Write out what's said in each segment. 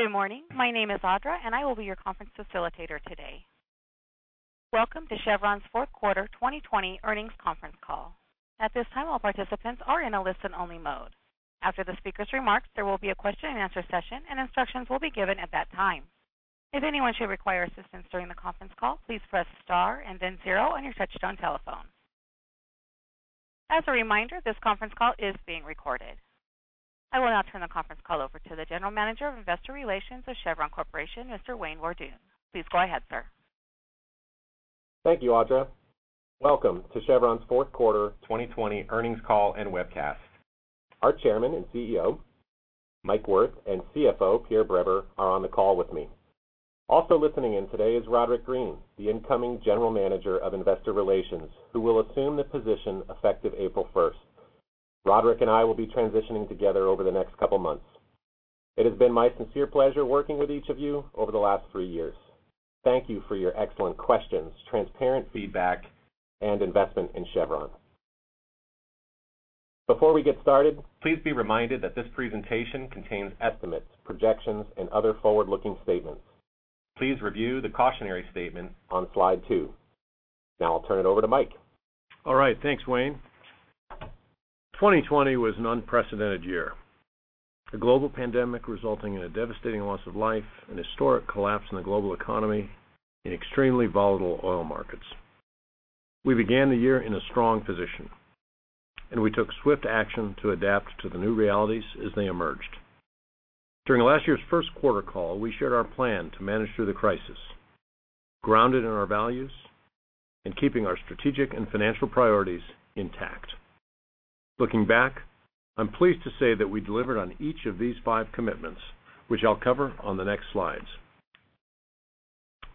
Good morning. My name is Audra, and I will be your conference facilitator today. Welcome to Chevron's fourth quarter 2020 earnings conference call. At this time, all the participants are in a listen-only mode. After the speaker's remarks, there will be a question and answer session, and instructions will be given at that time. If anyone should require assistance during the conference call, please press star and then zero on your touch-tone telephone. As a reminder, this conference call is being recorded. I will now turn the conference call over to the General Manager of Investor Relations of Chevron Corporation, Mr. Wayne Borduin. Please go ahead, sir. Thank you, Audra. Welcome to Chevron's fourth quarter 2020 earnings call and webcast. Our Chairman and Chief Executive Officer, Mike Wirth, and Chief Financial Officer, Pierre Breber, are on the call with me. Also listening in today is Roderick Green, the incoming General Manager of Investor Relations, who will assume the position effective April 1st. Roderick and I will be transitioning together over the next couple of months. It has been my sincere pleasure working with each of you over the last three years. Thank you for your excellent questions, transparent feedback, and investment in Chevron. Before we get started, please be reminded that this presentation contains estimates, projections, and other forward-looking statements. Please review the cautionary statements on slide two. Now I'll turn it over to Mike. All right. Thanks, Wayne. 2020 was an unprecedented year. A global pandemic resulting in a devastating loss of life, an historic collapse in the global economy, and extremely volatile oil markets. We began the year in a strong position, and we took swift action to adapt to the new realities as they emerged. During last year's first quarter call, we shared our plan to manage through the crisis, grounded in our values and keeping our strategic and financial priorities intact. Looking back, I'm pleased to say that we delivered on each of these five commitments, which I'll cover on the next slides.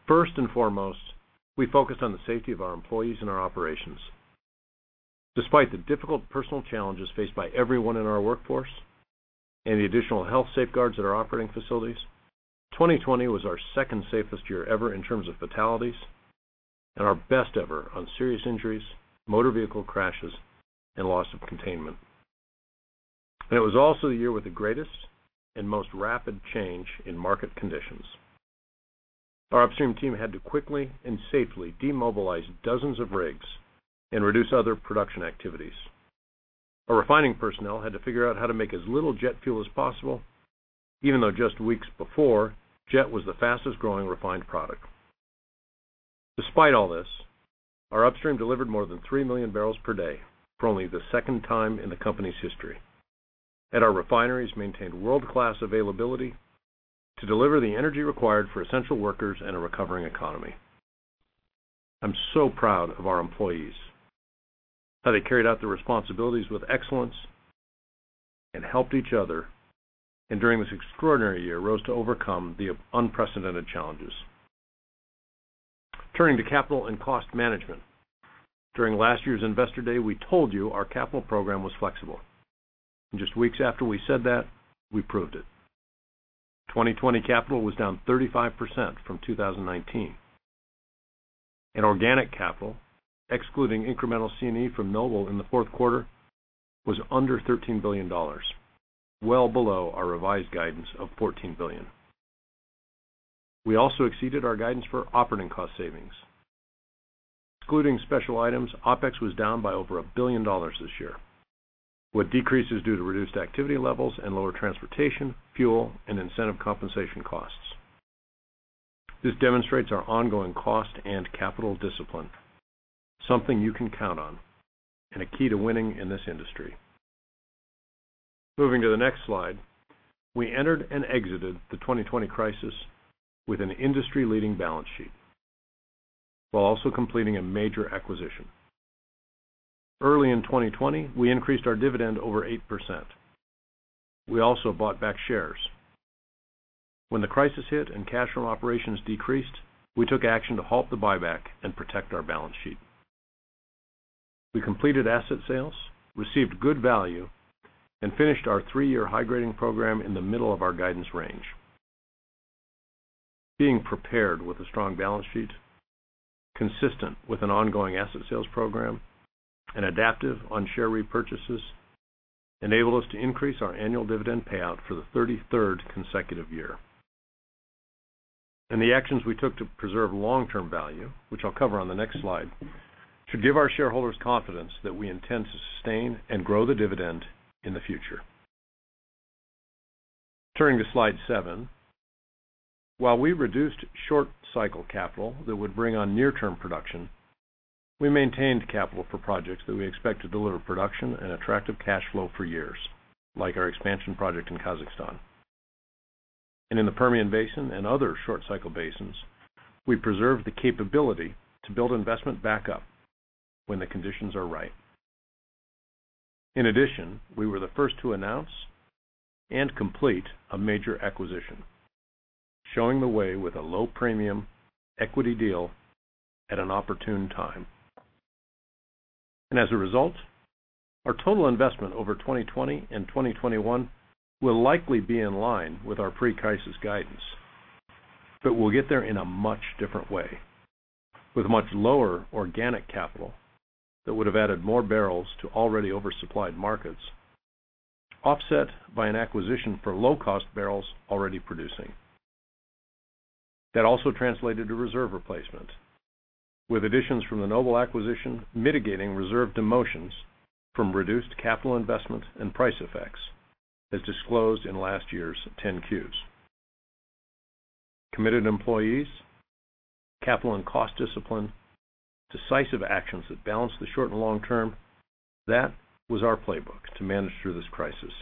First and foremost, we focused on the safety of our employees and our operations. Despite the difficult personal challenges faced by everyone in our workforce and the additional health safeguards at our operating facilities, 2020 was our second safest year ever in terms of fatalities and our best ever on serious injuries, motor vehicle crashes, and loss of containment. It was also the year with the greatest and most rapid change in market conditions. Our upstream team had to quickly and safely demobilize dozens of rigs and reduce other production activities. Our refining personnel had to figure out how to make as little jet fuel as possible, even though just weeks before, jet was the fastest growing refined product. Despite all this, our upstream delivered more than 3 million bpd for only the second time in the company's history. Our refineries maintained world-class availability to deliver the energy required for essential workers and a recovering economy. I'm so proud of our employees, how they carried out their responsibilities with excellence and helped each other, and during this extraordinary year, rose to overcome the unprecedented challenges. Turning to capital and cost management. During last year's Investor Day, we told you our capital program was flexible. Just weeks after we said that, we proved it. 2020 capital was down 35% from 2019. Organic capital, excluding incremental C&E from Noble in the fourth quarter, was under $13 billion, well below our revised guidance of $14 billion. We also exceeded our guidance for operating cost savings. Excluding special items, OPEX was down by over $1 billion this year, with decreases due to reduced activity levels and lower transportation, fuel, and incentive compensation costs. This demonstrates our ongoing cost and capital discipline, something you can count on, and a key to winning in this industry. Moving to the next slide. We entered and exited the 2020 crisis with an industry-leading balance sheet while also completing a major acquisition. Early in 2020, we increased our dividend over 8%. We also bought back shares. When the crisis hit and cash from operations decreased, we took action to halt the buyback and protect our balance sheet. We completed asset sales, received good value, and finished our three-year high grading program in the middle of our guidance range. Being prepared with a strong balance sheet, consistent with an ongoing asset sales program, and adaptive on share repurchases enabled us to increase our annual dividend payout for the 33rd consecutive year. The actions we took to preserve long-term value, which I'll cover on the next slide, should give our shareholders confidence that we intend to sustain and grow the dividend in the future. Turning to slide seven. While we reduced short-cycle capital that would bring on near-term production, we maintained capital for projects that we expect to deliver production and attractive cash flow for years, like our expansion project in Kazakhstan. In the Permian Basin and other short-cycle basins, we preserved the capability to build investment back up when the conditions are right. In addition, we were the first to announce and complete a major acquisition, showing the way with a low premium equity deal at an opportune time. As a result, our total investment over 2020 and 2021 will likely be in line with our pre-crisis guidance. We'll get there in a much different way, with much lower organic capital that would have added more barrels to already oversupplied markets, offset by an acquisition for low-cost barrels already producing. That also translated to reserve replacement, with additions from the Noble acquisition mitigating reserve demotions from reduced capital investments and price effects, as disclosed in last year's 10-Qs. Committed employees, capital and cost discipline, decisive actions that balance the short and long term. That was our playbook to manage through this crisis.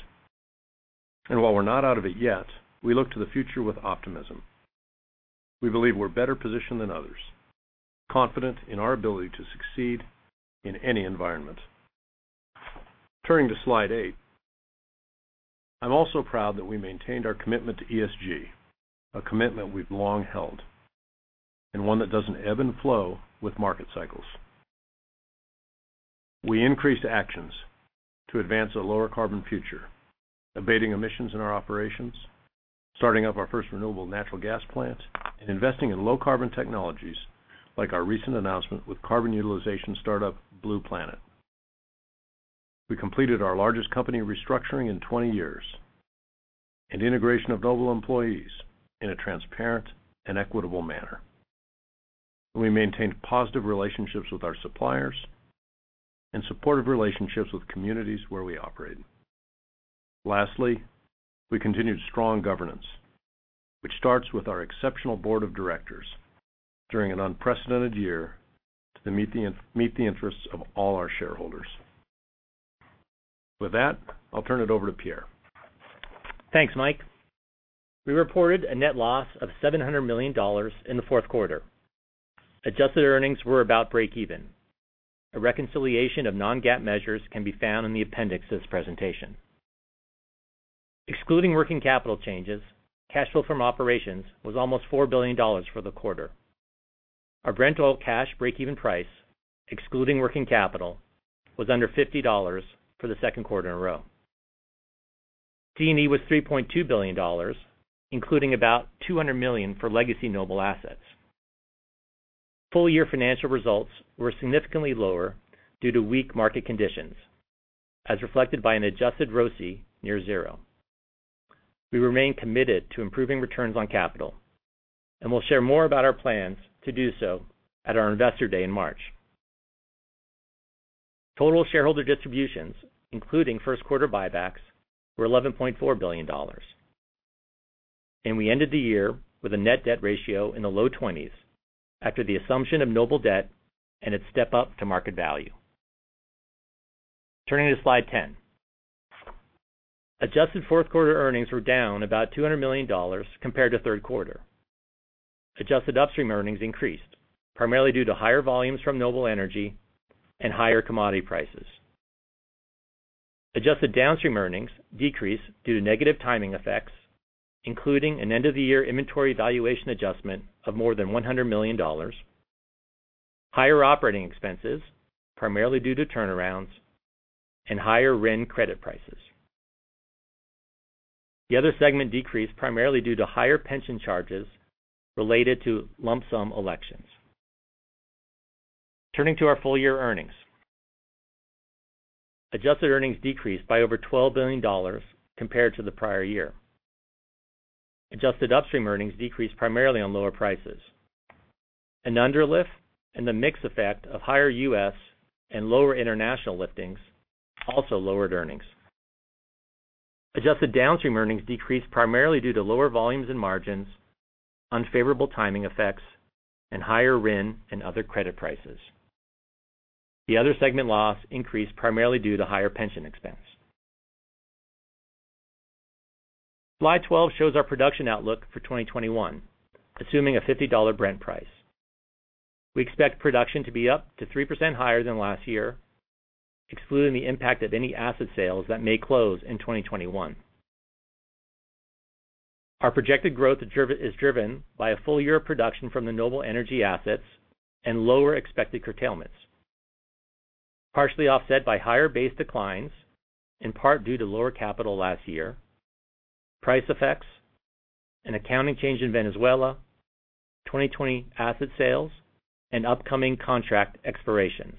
While we're not out of it yet, we look to the future with optimism. We believe we're better positioned than others, confident in our ability to succeed in any environment. Turning to slide eight. I'm also proud that we maintained our commitment to ESG, a commitment we've long held, one that doesn't ebb and flow with market cycles. We increased actions to advance a lower carbon future, abating emissions in our operations, starting up our first renewable natural gas plant, and investing in low carbon technologies like our recent announcement with carbon utilization startup Blue Planet. We completed our largest company restructuring in 20 years, integration of Noble employees in a transparent and equitable manner. We maintained positive relationships with our suppliers and supportive relationships with communities where we operate. Lastly, we continued strong governance, which starts with our exceptional board of directors during an unprecedented year to meet the interests of all our shareholders. With that, I'll turn it over to Pierre. Thanks, Mike. We reported a net loss of $700 million in the fourth quarter. Adjusted earnings were about break even. A reconciliation of non-GAAP measures can be found in the appendix of this presentation. Excluding working capital changes, cash flow from operations was almost $4 billion for the quarter. Our Brent oil cash breakeven price, excluding working capital, was under $50 for the second quarter in a row. DD&A was $3.2 billion, including about $200 million for legacy Noble assets. Full year financial results were significantly lower due to weak market conditions, as reflected by an adjusted ROCE near zero. We remain committed to improving returns on capital, and we'll share more about our plans to do so at our Investor Day in March. Total shareholder distributions, including first quarter buybacks, were $11.4 billion. We ended the year with a net debt ratio in the low 20%s after the assumption of Noble debt and its step up to market value. Turning to slide 10. Adjusted fourth quarter earnings were down about $200 million compared to third quarter. Adjusted upstream earnings increased, primarily due to higher volumes from Noble Energy and higher commodity prices. Adjusted downstream earnings decreased due to negative timing effects, including an end-of-the-year inventory valuation adjustment of more than $100 million, higher operating expenses, primarily due to turnarounds, and higher RIN credit prices. The other segment decreased primarily due to higher pension charges related to lump sum elections. Turning to our full year earnings. Adjusted earnings decreased by over $12 billion compared to the prior year. Adjusted upstream earnings decreased primarily on lower prices. An underlift and the mix effect of higher U.S. and lower international liftings also lowered earnings. Adjusted downstream earnings decreased primarily due to lower volumes and margins, unfavorable timing effects, and higher RIN and other credit prices. The other segment loss increased primarily due to higher pension expense. Slide 12 shows our production outlook for 2021, assuming a $50 Brent price. We expect production to be up to 3% higher than last year, excluding the impact of any asset sales that may close in 2021. Our projected growth is driven by a full year of production from the Noble Energy assets and lower expected curtailments, partially offset by higher base declines, in part due to lower capital last year, price effects, an accounting change in Venezuela, 2020 asset sales, and upcoming contract expirations.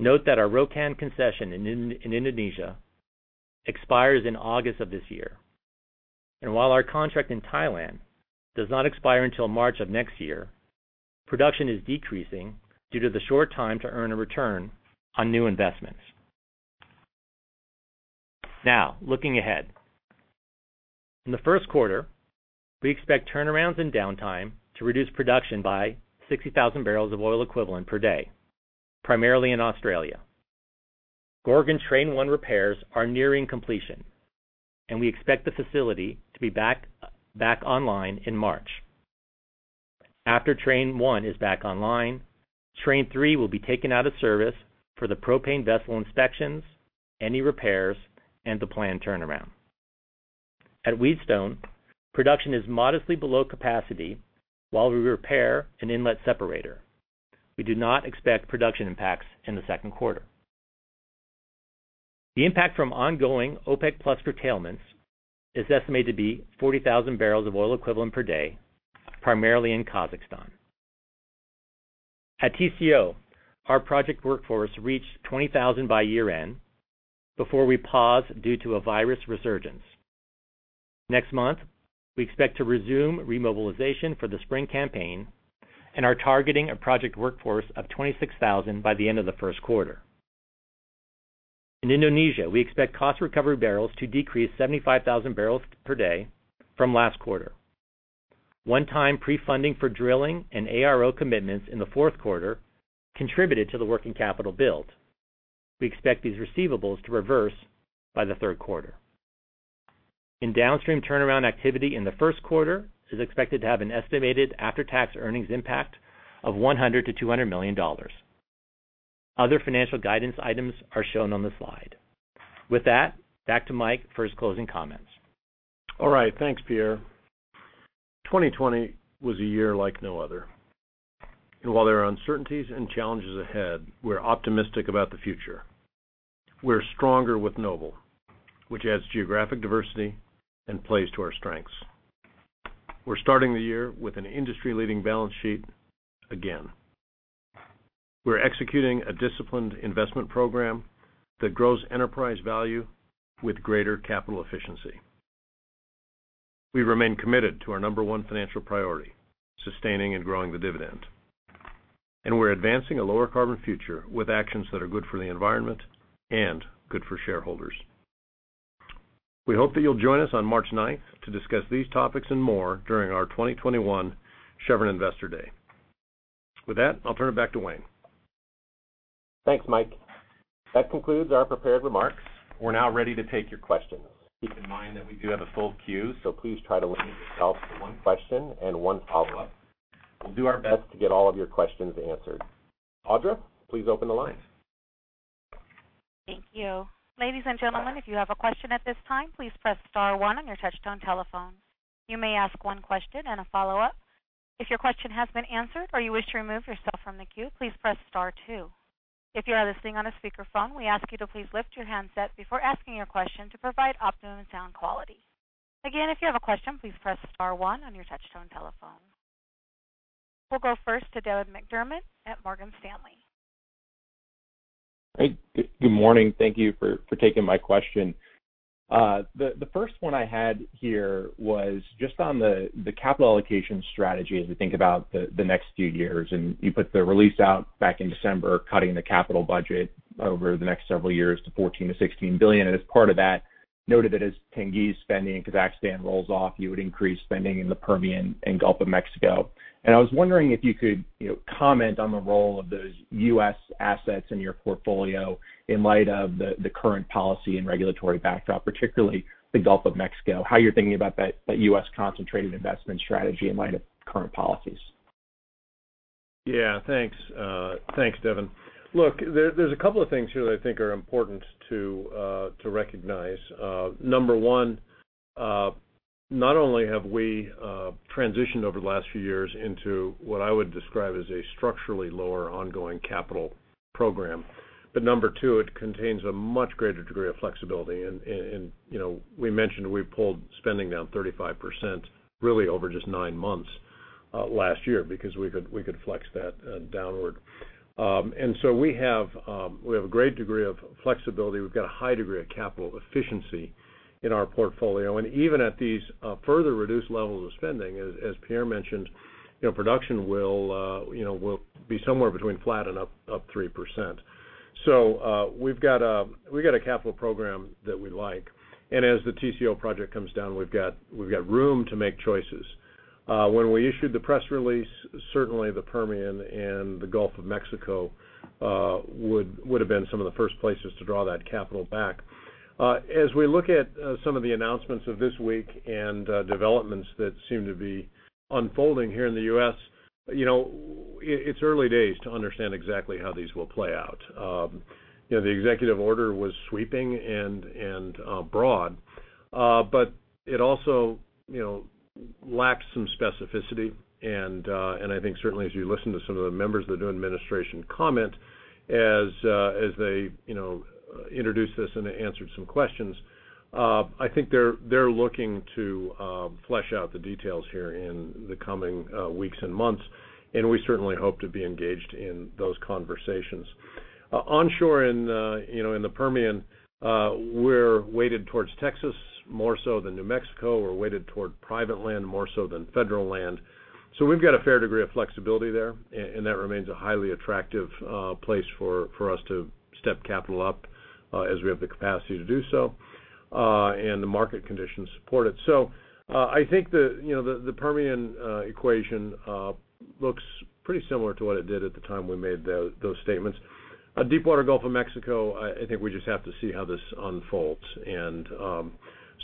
Note that our Rokan Concession in Indonesia expires in August of this year. While our contract in Thailand does not expire until March of next year, production is decreasing due to the short time to earn a return on new investments. Now, looking ahead. In the first quarter, we expect turnarounds and downtime to reduce production by 60,000 bbl of oil equivalent per day, primarily in Australia. Gorgon Train 1 repairs are nearing completion, and we expect the facility to be back online in March. After Train 1 is back online, Train 3 will be taken out of service for the propane vessel inspections, any repairs, and the planned turnaround. At Wheatstone, production is modestly below capacity while we repair an inlet separator. We do not expect production impacts in the second quarter. The impact from ongoing OPEC+ curtailments is estimated to be 40,000 bbl of oil equivalent per day, primarily in Kazakhstan. At TCO, our project workforce reached 20,000 by year-end before we paused due to a virus resurgence. Next month, we expect to resume remobilization for the spring campaign and are targeting a project workforce of 26,000 by the end of the first quarter. In Indonesia, we expect cost recovery barrels to decrease 75,000 bpd from last quarter. One-time pre-funding for drilling and ARO commitments in the fourth quarter contributed to the working capital build. We expect these receivables to reverse by the third quarter. In Downstream, turnaround activity in the first quarter is expected to have an estimated after-tax earnings impact of $100 million-$200 million. Other financial guidance items are shown on the slide. With that, back to Mike for his closing comments. All right. Thanks, Pierre. 2020 was a year like no other. While there are uncertainties and challenges ahead, we're optimistic about the future. We're stronger with Noble, which adds geographic diversity and plays to our strengths. We're starting the year with an industry-leading balance sheet again. We're executing a disciplined investment program that grows enterprise value with greater capital efficiency. We remain committed to our number one financial priority, sustaining and growing the dividend. We're advancing a lower carbon future with actions that are good for the environment and good for shareholders. We hope that you'll join us on March 9th to discuss these topics and more during our 2021 Chevron Investor Day. With that, I'll turn it back to Wayne. Thanks, Mike. That concludes our prepared remarks. We're now ready to take your questions. Keep in mind that we do have a full queue. Please try to limit yourself to one question and one follow-up. We'll do our best to get all of your questions answered. Audra, please open the line. Thank you. Ladies and gentlemen, if you have a question at this time, please press star one on your touchtone telephone. You may ask one question and a follow-up. If your question has been answered or you wish to remove yourself from the queue, please press star two. If you are listening on a speaker phone, we ask you to please lift your handset before asking your question to provide optimal sound quality. Again, if you have a question, please press star one on your touchtone telephone. We'll go first to Devin McDermott at Morgan Stanley. Hey. Good morning. Thank you for taking my question. The first one I had here was just on the capital allocation strategy as we think about the next few years, and you put the release out back in December, cutting the capital budget over the next several years to $14 billion-$16 billion, and as part of that, noted that as Tengiz spending in Kazakhstan rolls off, you would increase spending in the Permian and Gulf of Mexico. I was wondering if you could comment on the role of those U.S. assets in your portfolio in light of the current policy and regulatory backdrop, particularly the Gulf of Mexico. How you're thinking about that U.S. concentrated investment strategy in light of current policies. Thanks. Thanks, Devin. There's a couple of things here that I think are important to recognize. Number one, not only have we transitioned over the last few years into what I would describe as a structurally lower ongoing capital program, but number two, it contains a much greater degree of flexibility. We mentioned we pulled spending down 35%, really over just nine months last year, because we could flex that downward. We have a great degree of flexibility. We've got a high degree of capital efficiency in our portfolio. Even at these further reduced levels of spending, as Pierre mentioned, production will be somewhere between flat and up 3%. We've got a capital program that we like, and as the TCO project comes down, we've got room to make choices. When we issued the press release, certainly the Permian and the Gulf of Mexico would've been some of the first places to draw that capital back. We look at some of the announcements of this week and developments that seem to be unfolding here in the U.S., it's early days to understand exactly how these will play out. The executive order was sweeping and broad, but it also lacked some specificity, and I think certainly as you listen to some of the members of the new administration comment as they introduced this and answered some questions, I think they're looking to flesh out the details here in the coming weeks and months, and we certainly hope to be engaged in those conversations. Onshore in the Permian, we're weighted towards Texas more so than New Mexico. We're weighted toward private land more so than federal land. We've got a fair degree of flexibility there, and that remains a highly attractive place for us to step capital up as we have the capacity to do so, and the market conditions support it. I think the Permian equation looks pretty similar to what it did at the time we made those statements. Deepwater Gulf of Mexico, I think we just have to see how this unfolds.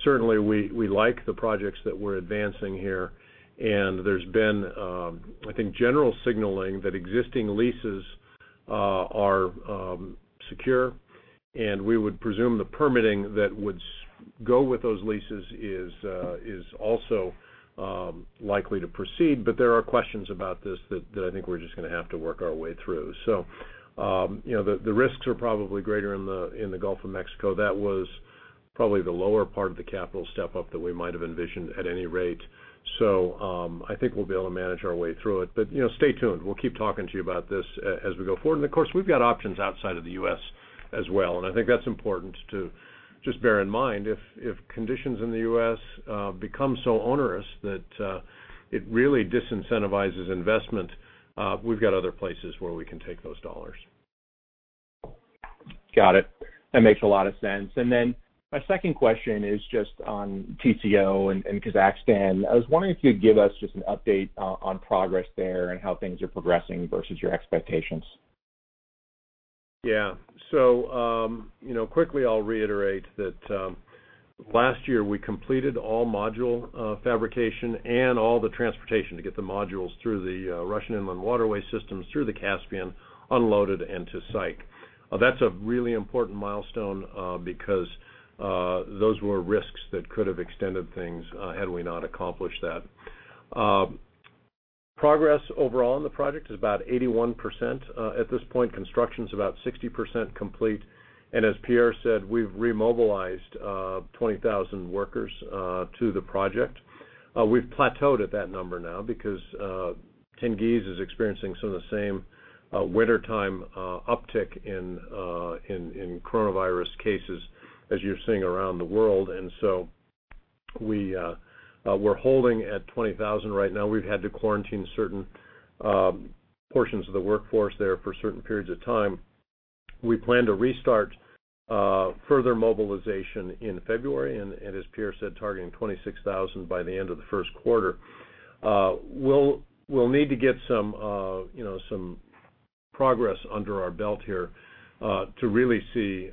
Certainly, we like the projects that we're advancing here, and there's been, I think, general signaling that existing leases are secure, and we would presume the permitting that would go with those leases is also likely to proceed. There are questions about this that I think we're just going to have to work our way through. The risks are probably greater in the Gulf of Mexico. That was probably the lower part of the capital step-up that we might have envisioned at any rate. I think we'll be able to manage our way through it. Stay tuned. We'll keep talking to you about this as we go forward. Of course, we've got options outside of the U.S. as well, and I think that's important to just bear in mind. If conditions in the U.S. become so onerous that it really disincentivizes investment, we've got other places where we can take those dollars. Got it. That makes a lot of sense. My second question is just on TCO and Kazakhstan. I was wondering if you'd give us just an update on progress there and how things are progressing versus your expectations. Quickly I'll reiterate that last year we completed all module fabrication and all the transportation to get the modules through the Russian inland waterway systems, through the Caspian, unloaded, and to site. That's a really important milestone because those were risks that could have extended things had we not accomplished that. Progress overall on the project is about 81%. At this point, construction's about 60% complete. As Pierre said, we've remobilized 20,000 workers to the project. We've plateaued at that number now because Tengiz is experiencing some of the same wintertime uptick in coronavirus cases as you're seeing around the world. We're holding at 20,000 right now. We've had to quarantine certain portions of the workforce there for certain periods of time. We plan to restart further mobilization in February, as Pierre said, targeting 26,000 by the end of the first quarter. We'll need to get some progress under our belt here to really see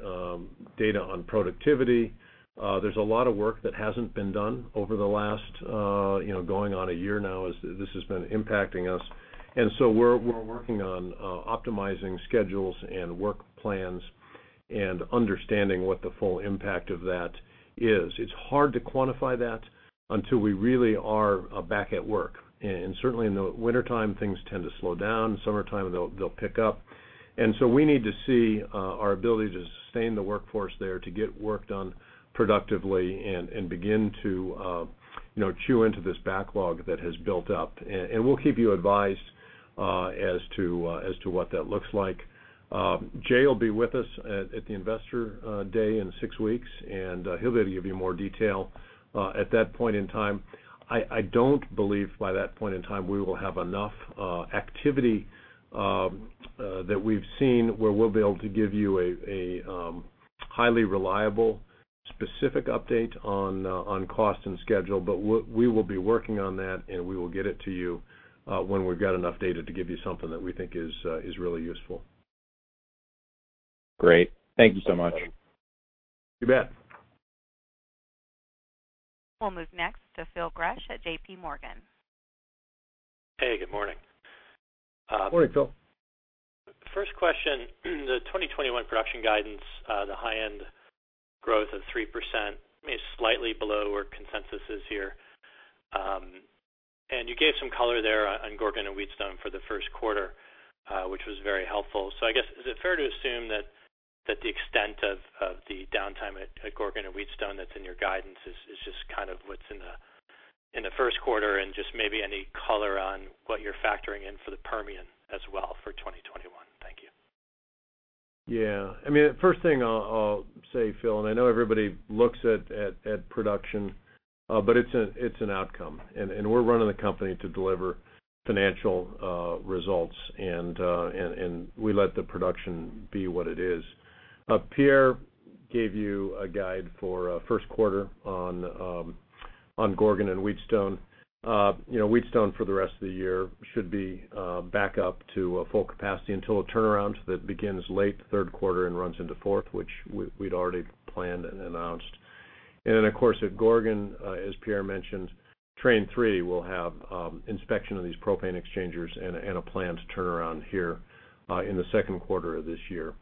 data on productivity. There's a lot of work that hasn't been done over the last, going on a year now, as this has been impacting us. We're working on optimizing schedules and work plans and understanding what the full impact of that is. It's hard to quantify that until we really are back at work. Certainly in the wintertime, things tend to slow down. Summertime, they'll pick up. We need to see our ability to sustain the workforce there, to get work done productively and begin to chew into this backlog that has built up. We'll keep you advised as to what that looks like. Jay will be with us at the Investor Day in six weeks, and he'll be able to give you more detail at that point in time. I don't believe by that point in time we will have enough activity that we've seen where we'll be able to give you a highly reliable, specific update on cost and schedule. We will be working on that, and we will get it to you when we've got enough data to give you something that we think is really useful. Great. Thank you so much. You bet. We'll move next to Phil Gresh at J.P. Morgan. Hey, good morning. Morning, Phil. First question, the 2021 production guidance, the high-end growth of 3% is slightly below where consensus is here. You gave some color there on Gorgon and Wheatstone for the first quarter, which was very helpful. I guess, is it fair to assume that the extent of the downtime at Gorgon and Wheatstone that's in your guidance is just kind of what's in the first quarter and just maybe any color on what you're factoring in for the Permian as well for 2021? Thank you. Yeah. First thing I'll say, Phil, and I know everybody looks at production, but it's an outcome. We're running the company to deliver financial results, and we let the production be what it is. Pierre gave you a guide for first quarter on Gorgon and Wheatstone. Wheatstone for the rest of the year should be back up to full capacity until a turnaround that begins late third quarter and runs into fourth, which we'd already planned and announced. Then, of course, at Gorgon, as Pierre mentioned, Train 3 will have inspection of these propane exchangers and a planned turnaround here in the second quarter of this year.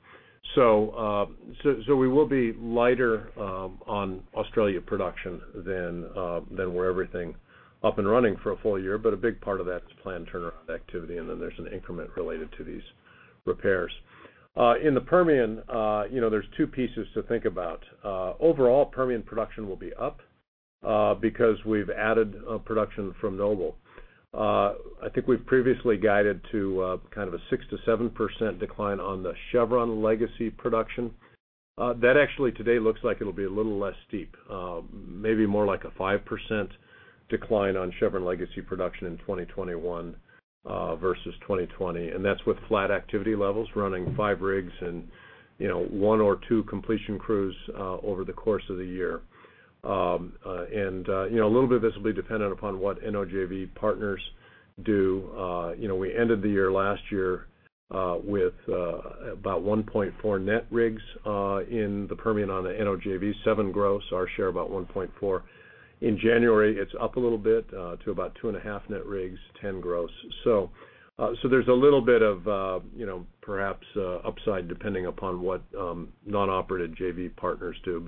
We will be lighter on Australia production than were everything up and running for a full year. A big part of that is planned turnaround activity, and then there's an increment related to these repairs. In the Permian there's two pieces to think about. Overall, Permian production will be up because we've added production from Noble. I think we've previously guided to kind of a 6%-7% decline on the Chevron legacy production. That actually today looks like it'll be a little less steep, maybe more like a 5% decline on Chevron legacy production in 2021 versus 2020. That's with flat activity levels running five rigs and one or two completion crews over the course of the year. A little bit of this will be dependent upon what NOJV partners do. We ended the year last year with about 1.4 net rigs in the Permian on the NOJV, seven gross, our share about 1.4. In January, it's up a little bit to about 2.5 net rigs, 10 gross. There's a little bit of perhaps upside depending upon what non-operated JV partners do.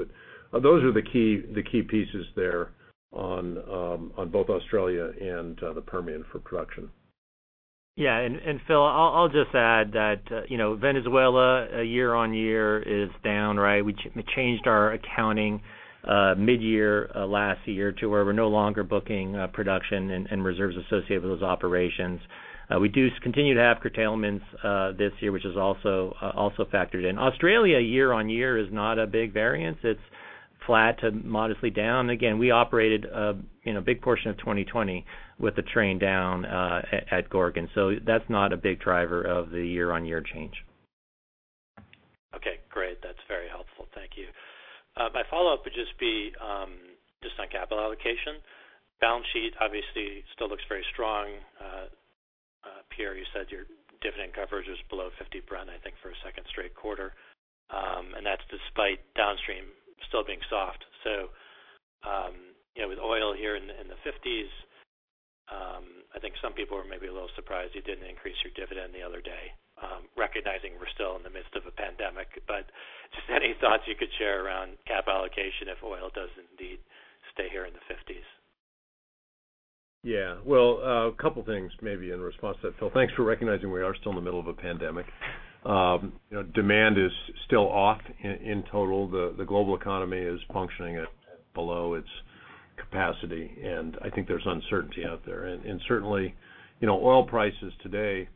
Those are the key pieces there on both Australia and the Permian for production. Yeah, and Phil, I'll just add that Venezuela year-on-year is down. We changed our accounting mid-year last year to where we're no longer booking production and reserves associated with those operations. We do continue to have curtailments this year, which is also factored in. Australia year-on-year is not a big variance. It's flat to modestly down. Again, we operated a big portion of 2020 with the train down at Gorgon. That's not a big driver of the year-on-year change. Okay, great. That's very helpful. Thank you. My follow-up would just be on capital allocation. Balance sheet obviously still looks very strong. Pierre, you said your dividend coverage is below $50 Brent, I think, for a second straight quarter. That's despite downstream still being soft. With oil here in the $50s, I think some people were maybe a little surprised you didn't increase your dividend the other day, recognizing we're still in the midst of a pandemic. Just any thoughts you could share around cap allocation if oil does indeed stay here in the $50s? Yeah. Well, a couple things maybe in response to that, Phil. Thanks for recognizing we are still in the middle of a pandemic. Demand is still off in total. The global economy is functioning at below its capacity. I think there's uncertainty out there. Certainly, oil prices today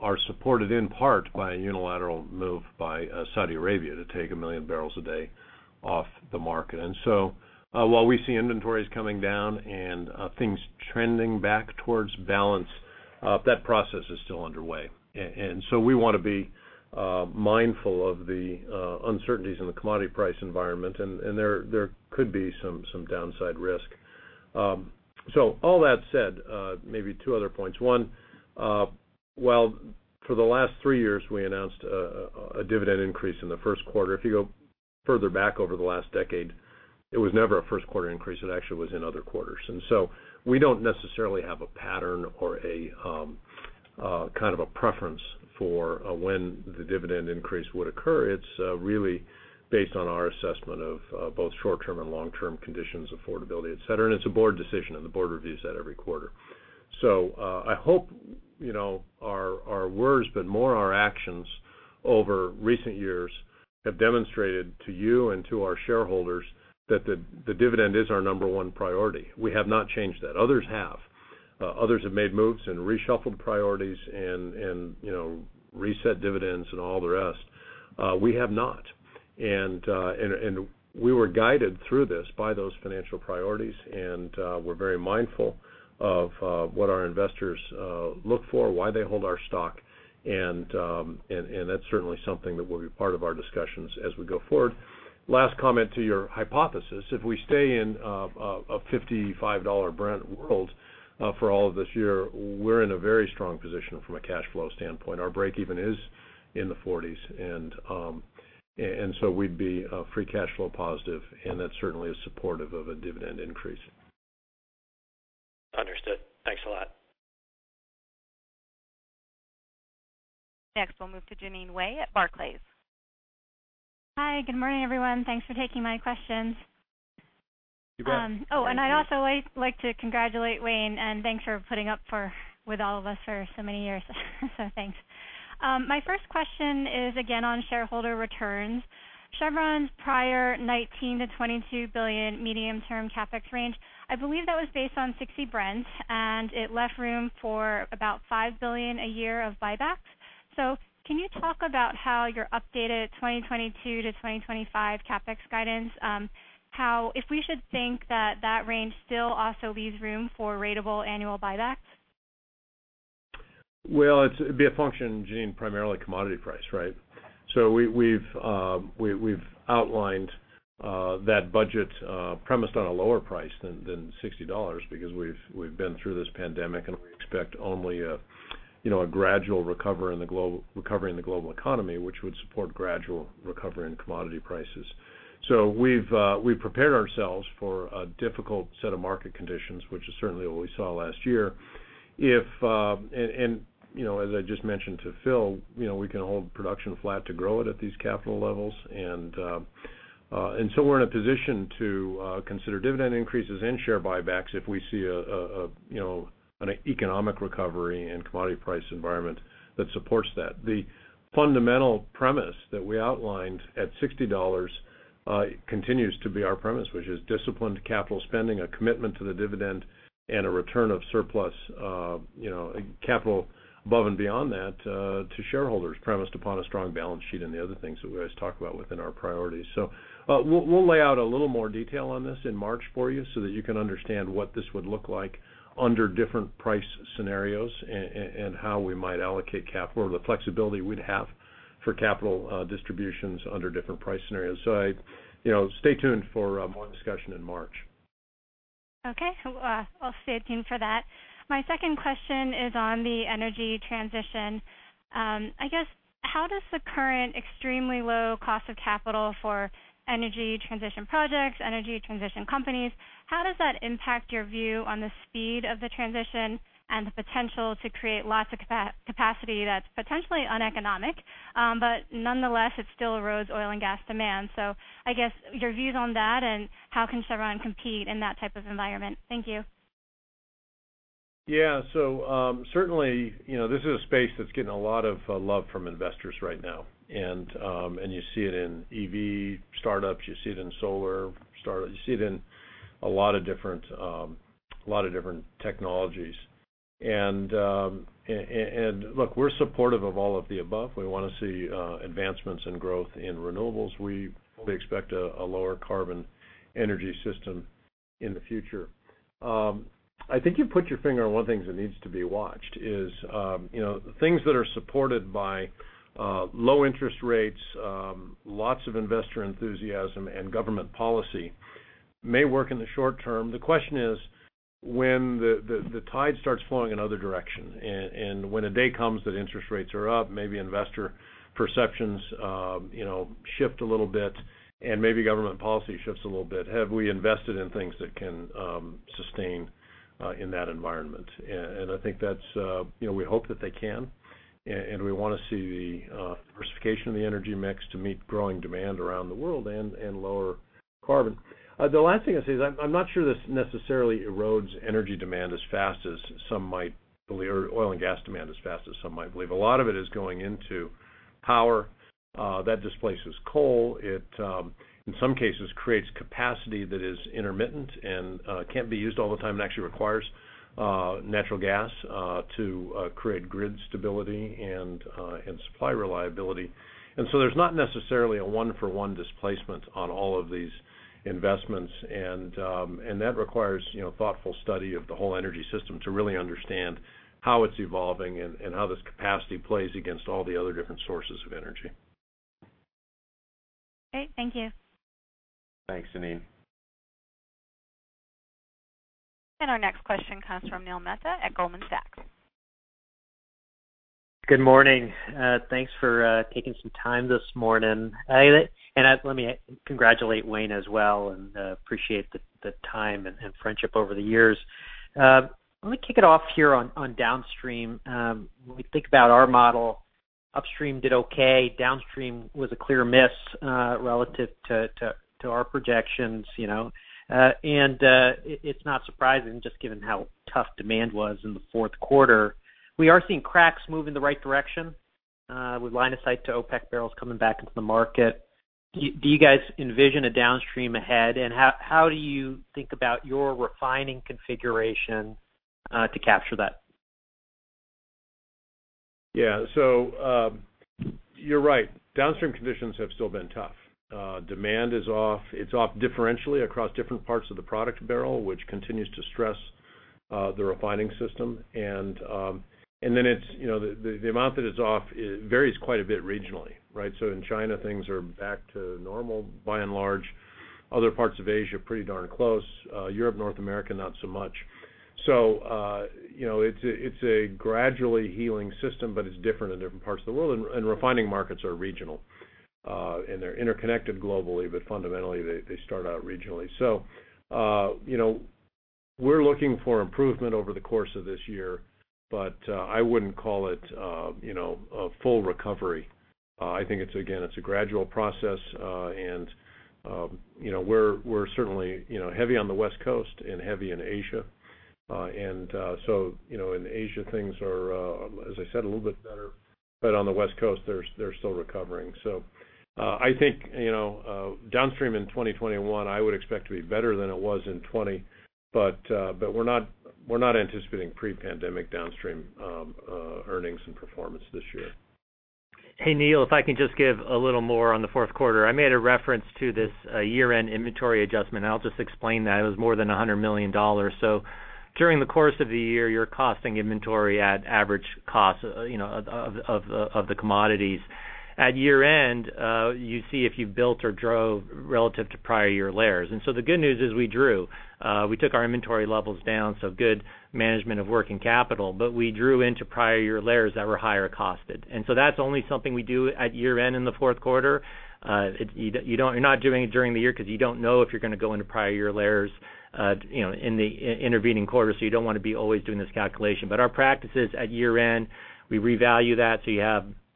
are supported in part by a unilateral move by Saudi Arabia to take 1 million bpd off the market. While we see inventories coming down and things trending back towards balance, that process is still underway. We want to be mindful of the uncertainties in the commodity price environment. There could be some downside risk. All that said, maybe two other points. One, while for the last three years, we announced a dividend increase in the first quarter. If you go further back over the last decade, it was never a first-quarter increase. It actually was in other quarters. We don't necessarily have a pattern or a kind of a preference for when the dividend increase would occur. It's really based on our assessment of both short-term and long-term conditions, affordability, et cetera. It's a board decision, and the board reviews that every quarter. I hope our words, but more our actions over recent years, have demonstrated to you and to our shareholders that the dividend is our number one priority. We have not changed that. Others have. Others have made moves and reshuffled priorities and reset dividends and all the rest. We have not. We were guided through this by those financial priorities. We're very mindful of what our investors look for, why they hold our stock, and that's certainly something that will be part of our discussions as we go forward. Last comment to your hypothesis, if we stay in a $55 Brent world for all of this year, we're in a very strong position from a cash flow standpoint. Our breakeven is in the $40s. We'd be free cash flow positive, and that certainly is supportive of a dividend increase. Understood. Thanks a lot. Next, we'll move to Jeanine Wai at Barclays. Hi, good morning, everyone. Thanks for taking my questions. You bet. Thank you. Oh, and I'd also like to congratulate Wayne, and thanks for putting up with all of us for so many years. Thanks. My first question is again on shareholder returns. Chevron's prior $19 billion-$22 billion medium-term CapEx range, I believe that was based on $60 Brent, and it left room for about $5 billion a year of buybacks. Can you talk about how your updated 2022-2025 CapEx guidance, if we should think that that range still also leaves room for ratable annual buybacks? Well, it'd be a function, Jeanine, primarily commodity price. We've outlined that budget premised on a lower price than $60 because we've been through this pandemic, and we expect only a gradual recovery in the global economy, which would support gradual recovery in commodity prices. We've prepared ourselves for a difficult set of market conditions, which is certainly what we saw last year. As I just mentioned to Phil, we can hold production flat to grow it at these capital levels. We're in a position to consider dividend increases and share buybacks if we see an economic recovery and commodity price environment that supports that. The fundamental premise that we outlined at $60 continues to be our premise, which is disciplined capital spending, a commitment to the dividend, and a return of surplus capital above and beyond that to shareholders, premised upon a strong balance sheet and the other things that we always talk about within our priorities. We'll lay out a little more detail on this in March for you so that you can understand what this would look like under different price scenarios and how we might allocate capital, or the flexibility we'd have for capital distributions under different price scenarios. Stay tuned for more discussion in March. Okay. I'll stay tuned for that. My second question is on the energy transition. I guess, how does the current extremely low cost of capital for energy transition projects, energy transition companies, how does that impact your view on the speed of the transition and the potential to create lots of capacity that's potentially uneconomic, but nonetheless, it still erodes oil and gas demand? I guess your views on that and how can Chevron compete in that type of environment? Thank you. Certainly, this is a space that's getting a lot of love from investors right now. You see it in EV startups, you see it in solar startups, you see it in a lot of different technologies. Look, we're supportive of all of the above. We want to see advancements in growth in renewables. We fully expect a lower carbon energy system in the future. I think you've put your finger on one of the things that needs to be watched is, the things that are supported by low interest rates, lots of investor enthusiasm, and government policy may work in the short term. The question is, when the tide starts flowing in other direction and when a day comes that interest rates are up, maybe investor perceptions shift a little bit, and maybe government policy shifts a little bit. Have we invested in things that can sustain in that environment? We hope that they can, and we want to see the diversification of the energy mix to meet growing demand around the world and lower carbon. The last thing I'd say is I'm not sure this necessarily erodes energy demand or oil and gas demand as fast as some might believe. A lot of it is going into power that displaces coal. It, in some cases, creates capacity that is intermittent and can't be used all the time and actually requires natural gas to create grid stability and supply reliability. There's not necessarily a one-for-one displacement on all of these investments, and that requires thoughtful study of the whole energy system to really understand how it's evolving and how this capacity plays against all the other different sources of energy. Great. Thank you. Thanks, Jeanine. Our next question comes from Neil Mehta at Goldman Sachs. Good morning. Thanks for taking some time this morning. Let me congratulate Wayne as well, and appreciate the time and friendship over the years. Let me kick it off here on downstream. When we think about our model, upstream did okay. Downstream was a clear miss relative to our projections. It's not surprising, just given how tough demand was in the fourth quarter. We are seeing cracks move in the right direction, with line of sight to OPEC+ barrels coming back into the market. Do you guys envision a downstream ahead, and how do you think about your refining configuration to capture that? Yeah. You're right. Downstream conditions have still been tough. Demand is off. It's off differentially across different parts of the product barrel, which continues to stress the refining system. The amount that is off varies quite a bit regionally, right? In China, things are back to normal, by and large. Other parts of Asia, pretty darn close. Europe, North America, not so much. It's a gradually healing system, but it's different in different parts of the world, and refining markets are regional. They're interconnected globally, but fundamentally, they start out regionally. We're looking for improvement over the course of this year, but I wouldn't call it a full recovery. I think, again, it's a gradual process, and we're certainly heavy on the West Coast and heavy in Asia. In Asia, things are, as I said, a little bit better. On the West Coast, they're still recovering. I think downstream in 2021, I would expect to be better than it was in 2020, but we're not anticipating pre-pandemic downstream earnings and performance this year. Hey, Neil, if I can just give a little more on the fourth quarter. I made a reference to this year-end inventory adjustment. I'll just explain that. It was more than $100 million. During the course of the year, you're costing inventory at average cost of the commodities. At year-end, you see if you've built or drawn relative to prior year layers. The good news is we drew. We took our inventory levels down, so good management of working capital. We drew into prior year layers that were higher costed. That's only something we do at year-end in the fourth quarter. You're not doing it during the year because you don't know if you're going to go into prior year layers in the intervening quarters, so you don't want to be always doing this calculation. Our practice is, at year-end, we revalue that, so you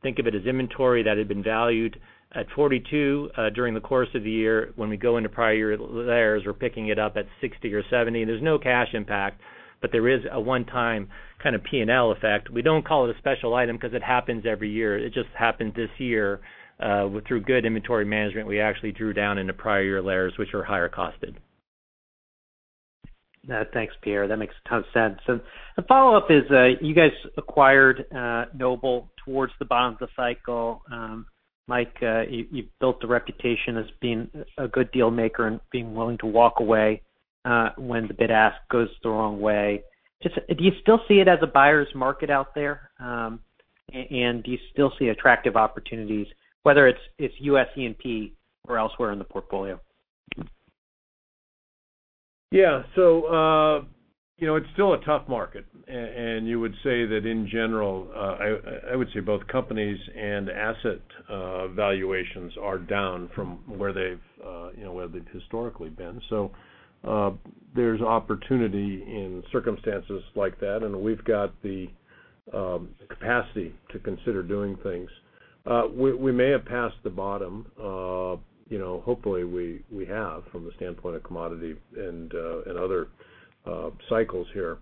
think of it as inventory that had been valued at 42 during the course of the year. When we go into prior year layers, we're picking it up at 60 or 70. There's no cash impact, but there is a one-time kind of P&L effect. We don't call it a special item because it happens every year. It just happened this year through good inventory management. We actually drew down into prior year layers, which were higher costed. Thanks, Pierre. That makes a ton of sense. The follow-up is, you guys acquired Noble towards the bottom of the cycle. Mike, you've built the reputation as being a good deal maker and being willing to walk away when the bid-ask goes the wrong way. Do you still see it as a buyer's market out there? Do you still see attractive opportunities, whether it's U.S. E&P or elsewhere in the portfolio? Yeah. It's still a tough market. You would say that in general, I would say both companies and asset valuations are down from where they've historically been. There's opportunity in circumstances like that, we've got the capacity to consider doing things. We may have passed the bottom. Hopefully we have, from the standpoint of commodity and other cycles here.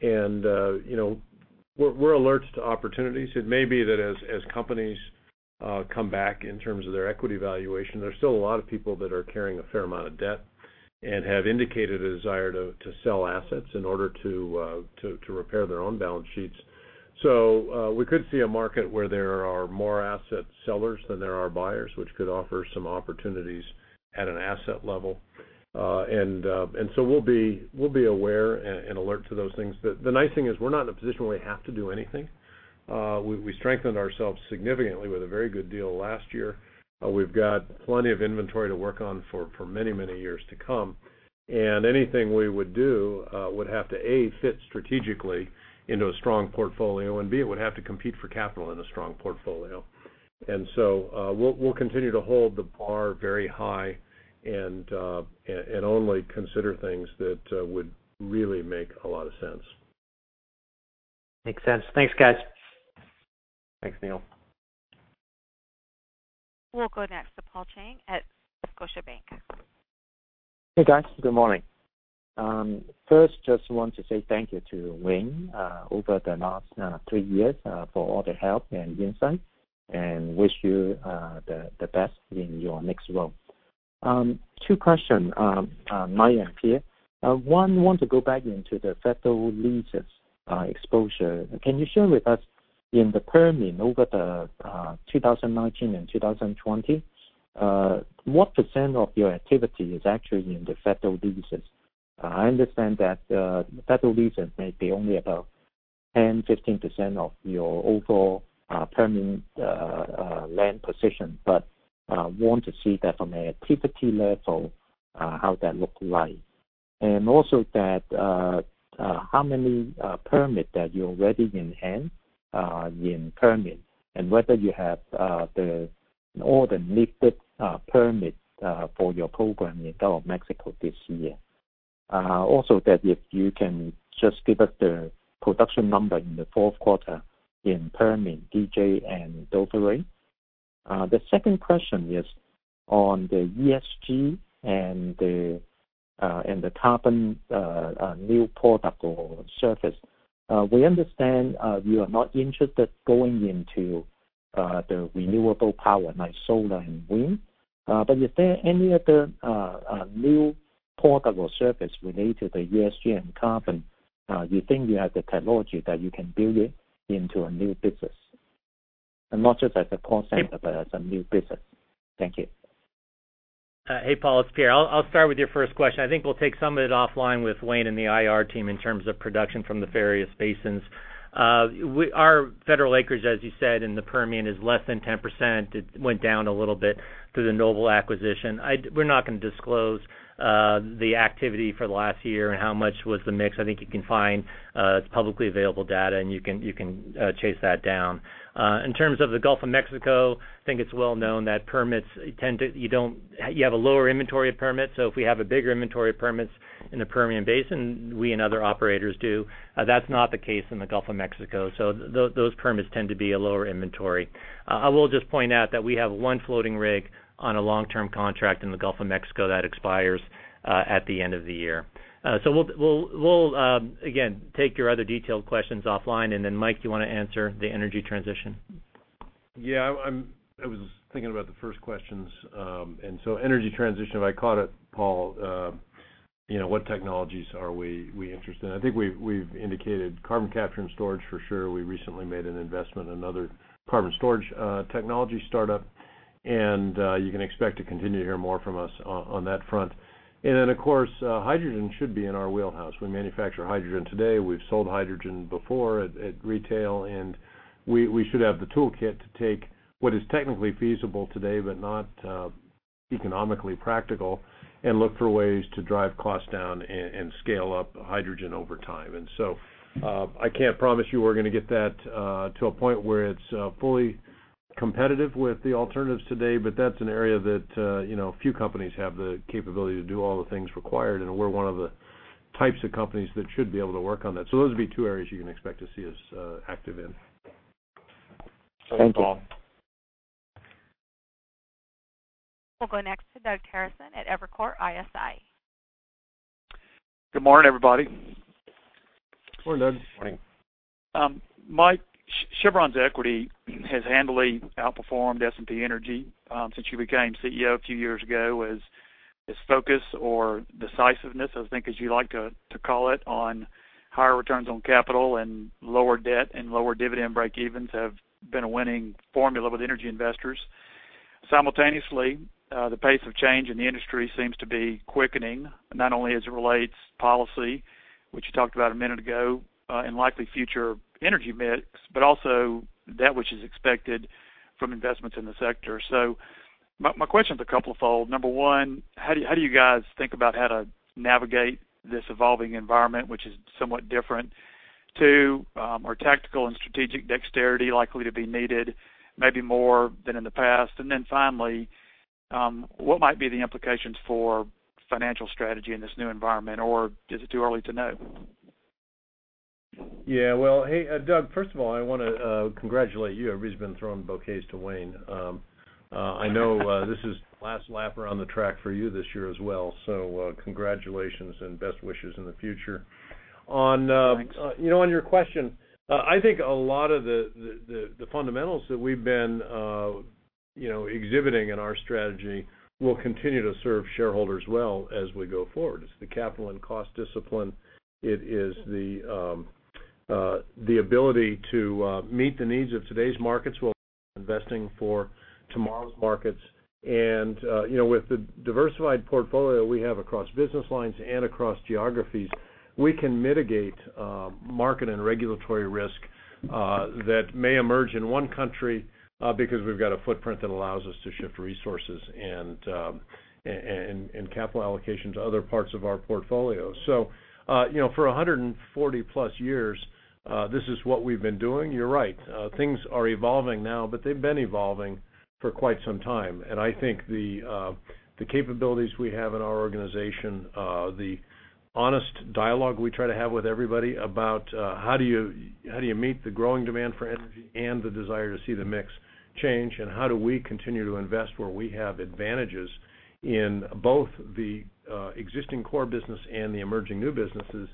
We're alert to opportunities. It may be that as companies come back in terms of their equity valuation, there's still a lot of people that are carrying a fair amount of debt and have indicated a desire to sell assets in order to repair their own balance sheets. We could see a market where there are more asset sellers than there are buyers, which could offer some opportunities at an asset level. We'll be aware and alert to those things. The nice thing is we're not in a position where we have to do anything. We strengthened ourselves significantly with a very good deal last year. We've got plenty of inventory to work on for many, many years to come. Anything we would do would have to, A, fit strategically into a strong portfolio, and B, it would have to compete for capital in a strong portfolio. We'll continue to hold the bar very high and only consider things that would really make a lot of sense. Makes sense. Thanks, guys. Thanks, Neil. We'll go next to Paul Cheng at Scotiabank. Hey, guys. Good morning. First, just want to say thank you to Wayne over the last three years for all the help and insight, and wish you the best in your next role. Two questions, Mike and Pierre. One, want to go back into the federal leases exposure. Can you share with us in the Permian over the 2019 and 2020, what percent of your activity is actually in the federal leases? I understand that federal leases may be only about 10%-15% of your overall Permian land position, but want to see that from an activity level, how that look like. Also that how many permit that you already enhance in Permian, and whether you have all the needed permit for your program in the Gulf of Mexico this year? Also that if you can just give us the production number in the fourth quarter in Permian, DJ, and Delaware? The second question is on the ESG and the carbon new product or service. We understand you are not interested going into the renewable power like solar and wind, but is there any other new product or service related to ESG and carbon you think you have the technology that you can build it into a new business? Not just as a concept, but as a new business. Thank you. Hey, Paul, it's Pierre. I'll start with your first question. I think we'll take some of it offline with Wayne and the Investor Relation team in terms of production from the various basins. Our federal acreage, as you said, in the Permian is less than 10%. It went down a little bit through the Noble acquisition. We're not going to disclose the activity for the last year and how much was the mix. I think you can find publicly available data, and you can chase that down. In terms of the Gulf of Mexico, I think it's well known that you have a lower inventory of permits. If we have a bigger inventory of permits in the Permian basin, we and other operators do, that's not the case in the Gulf of Mexico. Those permits tend to be a lower inventory. I will just point out that we have one floating rig on a long-term contract in the Gulf of Mexico that expires at the end of the year. We'll, again, take your other detailed questions offline. Mike, do you want to answer the energy transition? Yeah. I was thinking about the first questions. Energy transition, if I caught it, Paul, what technologies are we interested in? I think we've indicated carbon capture and storage for sure. We recently made an investment in another carbon storage technology startup. You can expect to continue to hear more from us on that front. Of course, hydrogen should be in our wheelhouse. We manufacture hydrogen today. We've sold hydrogen before at retail, and we should have the toolkit to take what is technically feasible today but not economically practical, and look for ways to drive costs down and scale up hydrogen over time. I can't promise you we're going to get that to a point where it's fully competitive with the alternatives today, but that's an area that a few companies have the capability to do all the things required, and we're one of the types of companies that should be able to work on that. Those would be two areas you can expect to see us active in. Thank you. Thanks, Paul. We'll go next to Doug Terreson at Evercore ISI. Good morning, everybody. Morning, Doug. Morning. Mike, Chevron's equity has handily outperformed S&P energy since you became Chief Executive Officer a few years ago as this focus or decisiveness, I think as you like to call it, on higher returns on capital and lower debt and lower dividend breakevens have been a winning formula with energy investors. Simultaneously, the pace of change in the industry seems to be quickening, not only as it relates policy, which you talked about a minute ago, and likely future energy mix, but also that which is expected from investments in the sector. My question's a couplefold. Number one, how do you guys think about how to navigate this evolving environment, which is somewhat different? Two, are tactical and strategic dexterity likely to be needed maybe more than in the past? Finally, what might be the implications for financial strategy in this new environment? Is it too early to know? Well, hey, Doug, first of all, I want to congratulate you. Everybody's been throwing bouquets to Wayne. I know this is last lap around the track for you this year as well, congratulations and best wishes in the future. Thanks. On your question, I think a lot of the fundamentals that we've been exhibiting in our strategy will continue to serve shareholders well as we go forward. It's the capital and cost discipline. It is the ability to meet the needs of today's markets while investing for tomorrow's markets. With the diversified portfolio we have across business lines and across geographies, we can mitigate market and regulatory risk that may emerge in one country because we've got a footprint that allows us to shift resources and capital allocation to other parts of our portfolio. For 140+ years, this is what we've been doing. You're right, things are evolving now, but they've been evolving for quite some time. I think the capabilities we have in our organization, the honest dialogue we try to have with everybody about how do you meet the growing demand for energy and the desire to see the mix change, and how do we continue to invest where we have advantages in both the existing core business and the emerging new businesses,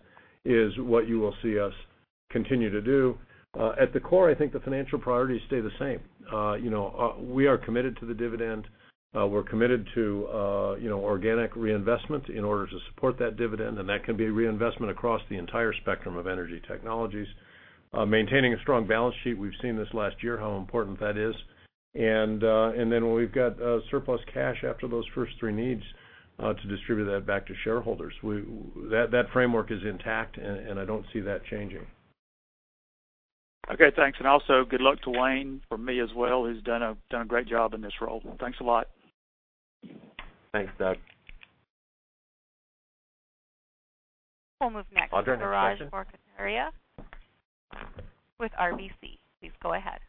is what you will see us continue to do. At the core, I think the financial priorities stay the same. We are committed to the dividend. We're committed to organic reinvestment in order to support that dividend, and that can be reinvestment across the entire spectrum of energy technologies. Maintaining a strong balance sheet. We've seen this last year, how important that is. When we've got surplus cash after those first three needs, to distribute that back to shareholders. That framework is intact, I don't see that changing. Okay, thanks. Also, good luck to Wayne from me as well, who's done a great job in this role. Thanks a lot. Thanks, Doug. We'll move next to Biraj Borkhataria with RBC. Please go ahead.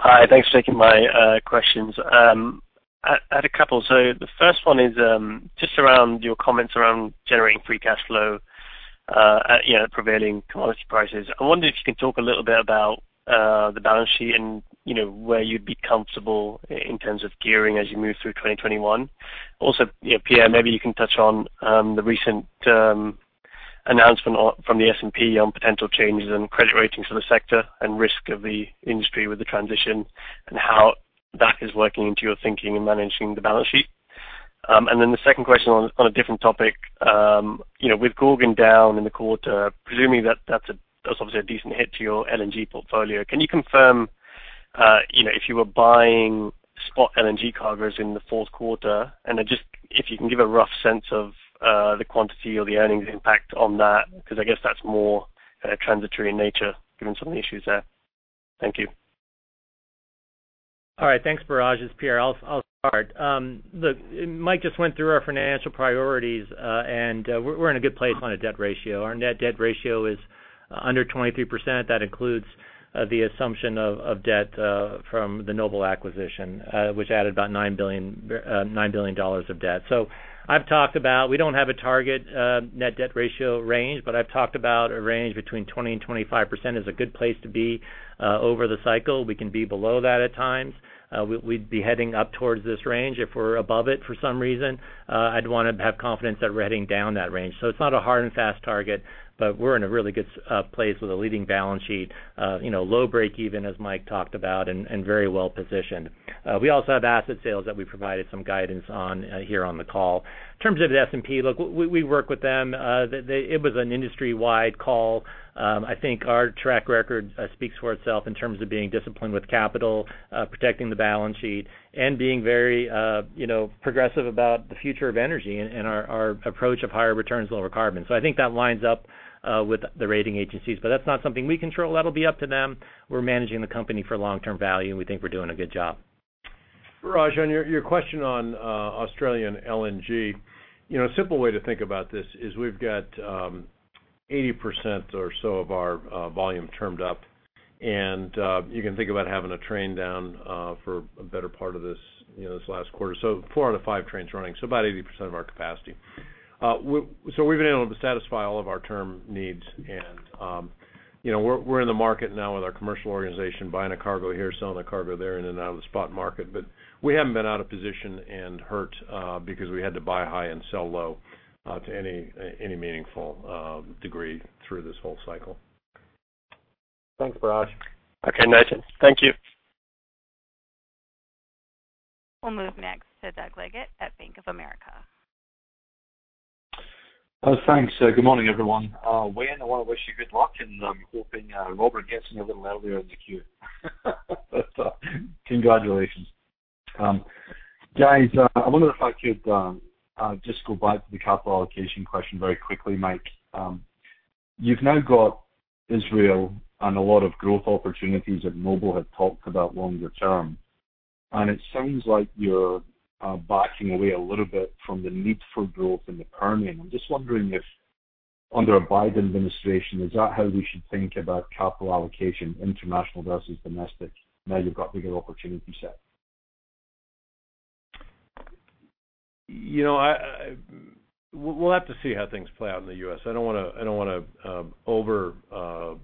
Hi. Thanks for taking my questions. I had a couple. The first one is just around your comments around generating free cash flow at prevailing commodity prices. I wonder if you can talk a little bit about the balance sheet and where you'd be comfortable in terms of gearing as you move through 2021. Pierre, maybe you can touch on the recent announcement from the S&P on potential changes in credit ratings for the sector and risk of the industry with the transition and how that is working into your thinking in managing the balance sheet. The second question on a different topic. With Gorgon down in the quarter, presuming that's obviously a decent hit to your LNG portfolio, can you confirm if you were buying spot LNG cargoes in the fourth quarter? Just if you can give a rough sense of the quantity or the earnings impact on that, because I guess that's more transitory in nature given some of the issues there. Thank you. All right. Thanks, Biraj. It's Pierre. I'll start. Look, Mike just went through our financial priorities. We're in a good place on a debt ratio. Our net debt ratio is under 23%. That includes the assumption of debt from the Noble Energy acquisition, which added about $9 billion of debt. I've talked about, we don't have a target net debt ratio range. I've talked about a range between 20%-25% is a good place to be over the cycle. We can be below that at times. We'd be heading up towards this range. If we're above it for some reason, I'd want to have confidence that we're heading down that range. It's not a hard and fast target. We're in a really good place with a leading balance sheet, low breakeven, as Mike talked about, and very well-positioned. We also have asset sales that we provided some guidance on here on the call. In terms of the S&P, look, we work with them. It was an industry-wide call. I think our track record speaks for itself in terms of being disciplined with capital, protecting the balance sheet, and being very progressive about the future of energy and our approach of higher returns, lower carbon. I think that lines up with the rating agencies, but that's not something we control. That'll be up to them. We're managing the company for long-term value, and we think we're doing a good job. Biraj, on your question on Australian LNG, a simple way to think about this is we've got 80% or so of our volume termed up, and you can think about having a train down for a better part of this last quarter. Four out of five trains running, so about 80% of our capacity. We've been able to satisfy all of our term needs, and we're in the market now with our commercial organization, buying a cargo here, selling a cargo there, in and out of the spot market. We haven't been out of position and hurt because we had to buy high and sell low to any meaningful degree through this whole cycle. Thanks, Biraj. Okay, noted. Thank you. We'll move next to Doug Leggate at Bank of America. Thanks. Good morning, everyone. Wayne, I want to wish you good luck, and I'm hoping Roderick gets in a little earlier in the queue. Congratulations. Guys, I wonder if I could just go back to the capital allocation question very quickly, Mike. You've now got Israel and a lot of growth opportunities that Noble had talked about longer term, and it sounds like you're backing away a little bit from the need for growth in the Permian. I'm just wondering under a Biden administration, is that how we should think about capital allocation, international versus domestic, now you've got bigger opportunity set? We'll have to see how things play out in the U.S. I don't want to overreact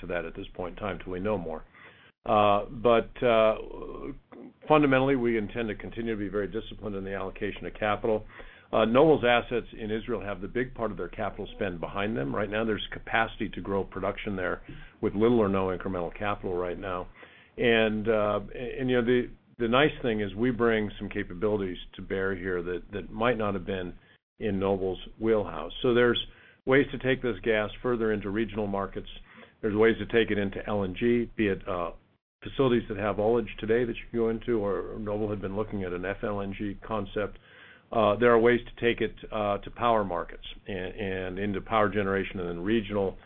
to that at this point in time till we know more. Fundamentally, we intend to continue to be very disciplined in the allocation of capital. Noble's assets in Israel have the big part of their capital spend behind them. Right now, there's capacity to grow production there with little or no incremental capital right now. The nice thing is we bring some capabilities to bear here that might not have been in Noble's wheelhouse. There's ways to take this gas further into regional markets. There's ways to take it into LNG, be it facilities that have ullage today that you can go into, or Noble had been looking at an FLNG concept. There are ways to take it to power markets and into power generation and then regional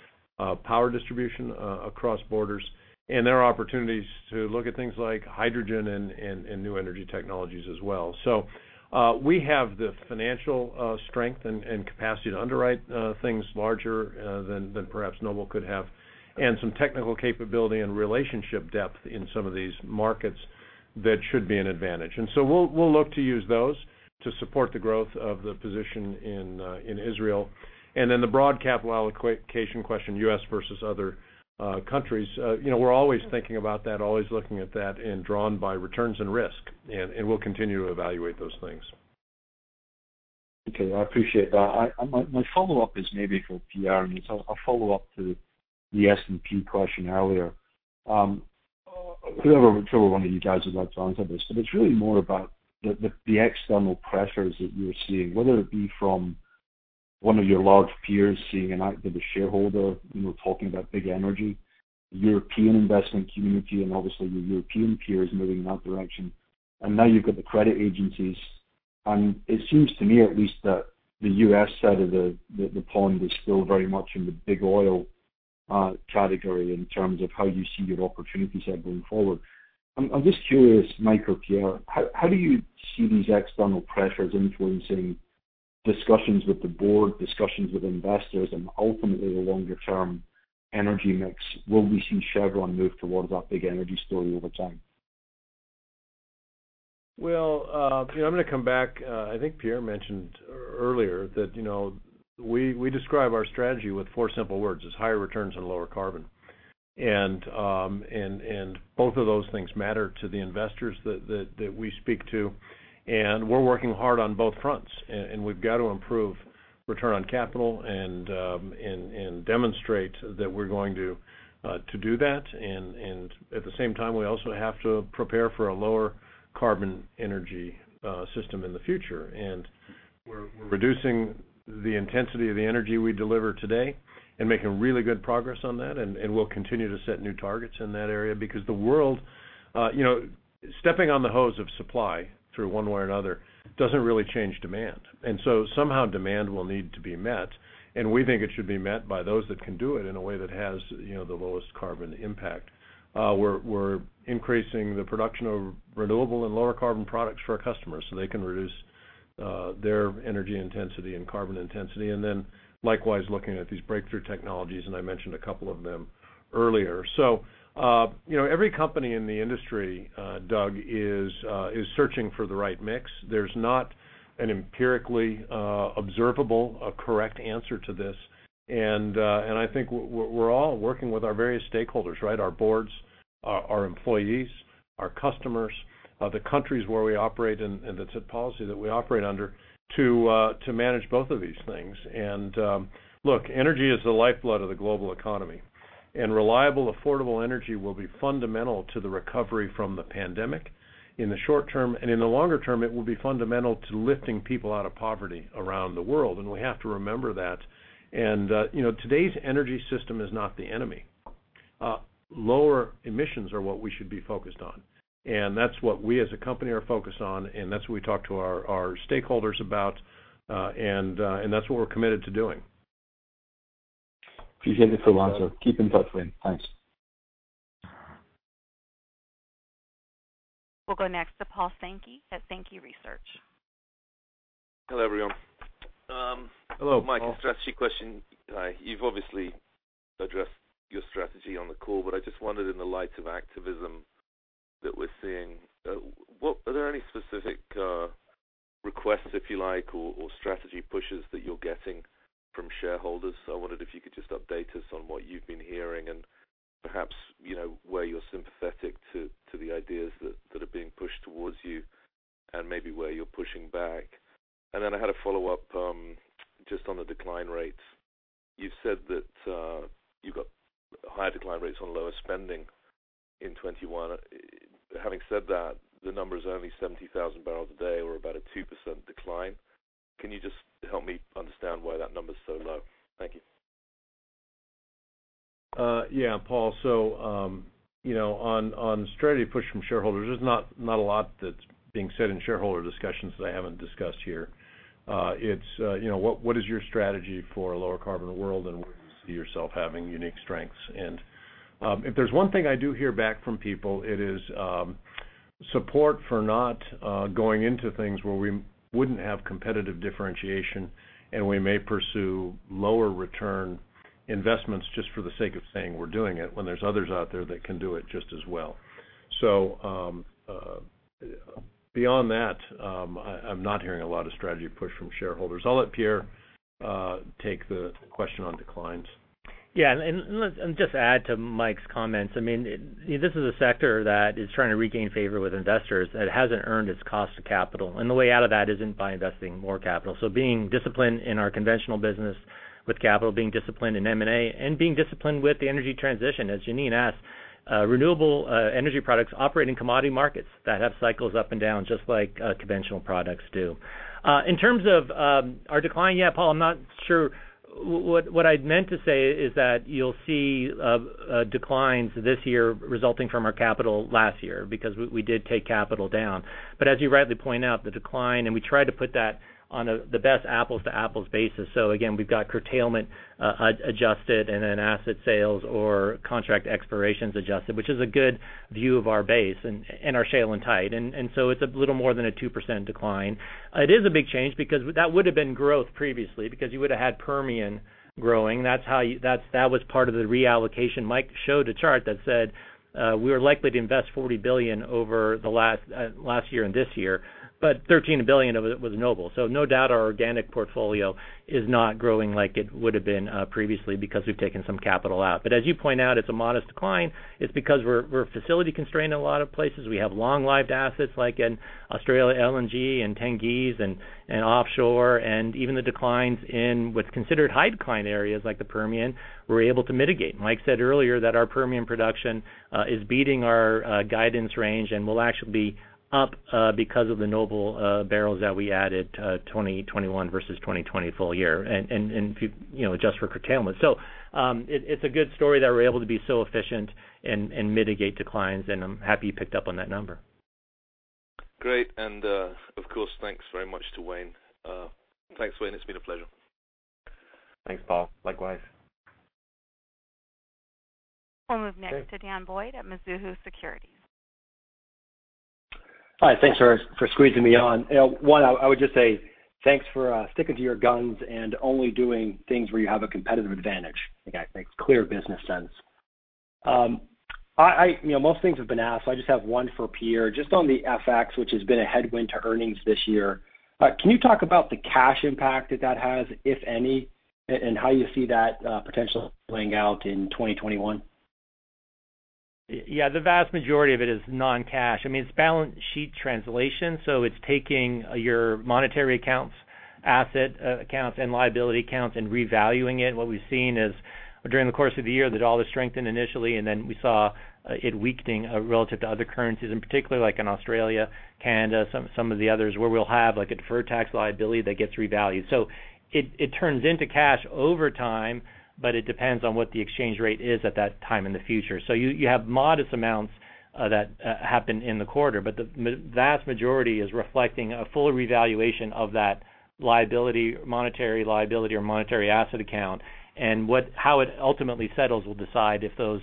power distribution across borders. There are opportunities to look at things like hydrogen and new energy technologies as well. We have the financial strength and capacity to underwrite things larger than perhaps Noble could have, and some technical capability and relationship depth in some of these markets that should be an advantage. We'll look to use those to support the growth of the position in Israel. Then the broad capital allocation question, U.S. versus other countries. We're always thinking about that, always looking at that, and drawn by returns and risk, and we'll continue to evaluate those things. Okay. I appreciate that. My follow-up is maybe for Pierre. A follow-up to the S&P question earlier. I'm not sure whether one of you guys would like to answer this, but it's really more about the external pressures that you're seeing, whether it be from one of your large peers seeing an active shareholder, talking about big energy, European investment community, obviously your European peers moving in that direction. Now you've got the credit agencies, and it seems to me at least that the U.S. side of the pond is still very much in the big oil category in terms of how you see your opportunity set going forward. I'm just curious, Mike or Pierre, how do you see these external pressures influencing discussions with the board, discussions with investors, and ultimately the longer-term energy mix? Will we see Chevron move towards that big energy story over time? Well, I'm going to come back. I think Pierre mentioned earlier that we describe our strategy with four simple words. It's higher returns and lower carbon. Both of those things matter to the investors that we speak to, and we're working hard on both fronts. We've got to improve return on capital and demonstrate that we're going to do that. At the same time, we also have to prepare for a lower carbon energy system in the future. We're reducing the intensity of the energy we deliver today and making really good progress on that, and we'll continue to set new targets in that area because stepping on the hose of supply through one way or another doesn't really change demand. Somehow demand will need to be met, and we think it should be met by those that can do it in a way that has the lowest carbon impact. We're increasing the production of renewable and lower carbon products for our customers so they can reduce their energy intensity and carbon intensity. Likewise, looking at these breakthrough technologies, and I mentioned a couple of them earlier. Every company in the industry, Doug, is searching for the right mix. There's not an empirically observable correct answer to this. I think we're all working with our various stakeholders, our boards, our employees, our customers, the countries where we operate, and the policy that we operate under to manage both of these things. Look, energy is the lifeblood of the global economy, and reliable, affordable energy will be fundamental to the recovery from the pandemic in the short term, and in the longer term, it will be fundamental to lifting people out of poverty around the world, and we have to remember that. Today's energy system is not the enemy. Lower emissions are what we should be focused on. That's what we as a company are focused on, and that's what we talk to our stakeholders about, and that's what we're committed to doing. Appreciate it [very much]. Keep in touch, Mike. Thanks. We'll go next to Paul Sankey at Sankey Research. Hello, everyone. Hello, Paul. Mike, a strategy question. You've obviously addressed your strategy on the call, I just wondered in the light of activism that we're seeing, are there any specific requests, if you like, or strategy pushes that you're getting from shareholders? I wondered if you could just update us on what you've been hearing and perhaps where you're sympathetic to the ideas that are being pushed towards you and maybe where you're pushing back. I had a follow-up just on the decline rates. You said that you got higher decline rates on lower spending in 2021. Having said that, the number is only 70,000 bpd or about a 2% decline. Can you just help me understand why that number is so low? Thank you. Yeah, Paul. On strategy push from shareholders, there's not a lot that's being said in shareholder discussions that I haven't discussed here. It's what is your strategy for a lower carbon world and where do you see yourself having unique strengths? If there's one thing I do hear back from people, it is support for not going into things where we wouldn't have competitive differentiation, and we may pursue lower return investments just for the sake of saying we're doing it when there's others out there that can do it just as well. Beyond that, I'm not hearing a lot of strategy push from shareholders. I'll let Pierre take the question on declines. Just add to Mike's comments. This is a sector that is trying to regain favor with investors, that it hasn't earned its cost of capital. The way out of that isn't by investing more capital. Being disciplined in our conventional business with capital, being disciplined in M&A, and being disciplined with the energy transition, as Jeanine asked. Renewable energy products operate in commodity markets that have cycles up and down, just like conventional products do. In terms of our decline, yeah, Paul, I'm not sure. What I'd meant to say is that you'll see declines this year resulting from our capital last year, because we did take capital down. As you rightly point out, the decline, and we tried to put that on the best apples-to-apples basis. Again, we've got curtailment adjusted and then asset sales or contract expirations adjusted, which is a good view of our base and our shale and tight. It's a little more than a 2% decline. It is a big change because that would have been growth previously, because you would've had Permian growing. That was part of the reallocation. Mike showed a chart that said we were likely to invest $40 billion over last year and this year, but $13 billion of it was Noble. No doubt our organic portfolio is not growing like it would've been previously because we've taken some capital out. As you point out, it's a modest decline. It's because we're facility constrained in a lot of places. We have long-lived assets like in Australia LNG, in Tengiz, and offshore, and even the declines in what's considered high decline areas like the Permian, we're able to mitigate. Mike said earlier that our Permian production is beating our guidance range and will actually be up because of the Noble barrels that we added 2021 versus 2020 full year, and adjust for curtailment. It's a good story that we're able to be so efficient and mitigate declines, and I'm happy you picked up on that number. Great. Of course, thanks very much to Wayne. Thanks, Wayne. It's been a pleasure. Thanks, Paul. Likewise. We'll move next to Dan Boyd at Mizuho Securities. Hi, thanks for squeezing me on. One, I would just say thanks for sticking to your guns and only doing things where you have a competitive advantage. I think that makes clear business sense. Most things have been asked, so I just have one for Pierre, just on the FX, which has been a headwind to earnings this year. Can you talk about the cash impact that that has, if any, and how you see that potential playing out in 2021? Yeah, the vast majority of it is non-cash. It's balance sheet translation. It's taking your monetary accounts, asset accounts, and liability accounts and revaluing it. What we've seen is during the course of the year, the dollar strengthened initially. Then we saw it weakening relative to other currencies, and particularly like in Australia, Canada, some of the others where we'll have a deferred tax liability that gets revalued. It turns into cash over time, but it depends on what the exchange rate is at that time in the future. You have modest amounts that happen in the quarter, but the vast majority is reflecting a full revaluation of that monetary liability or monetary asset account. How it ultimately settles will decide if those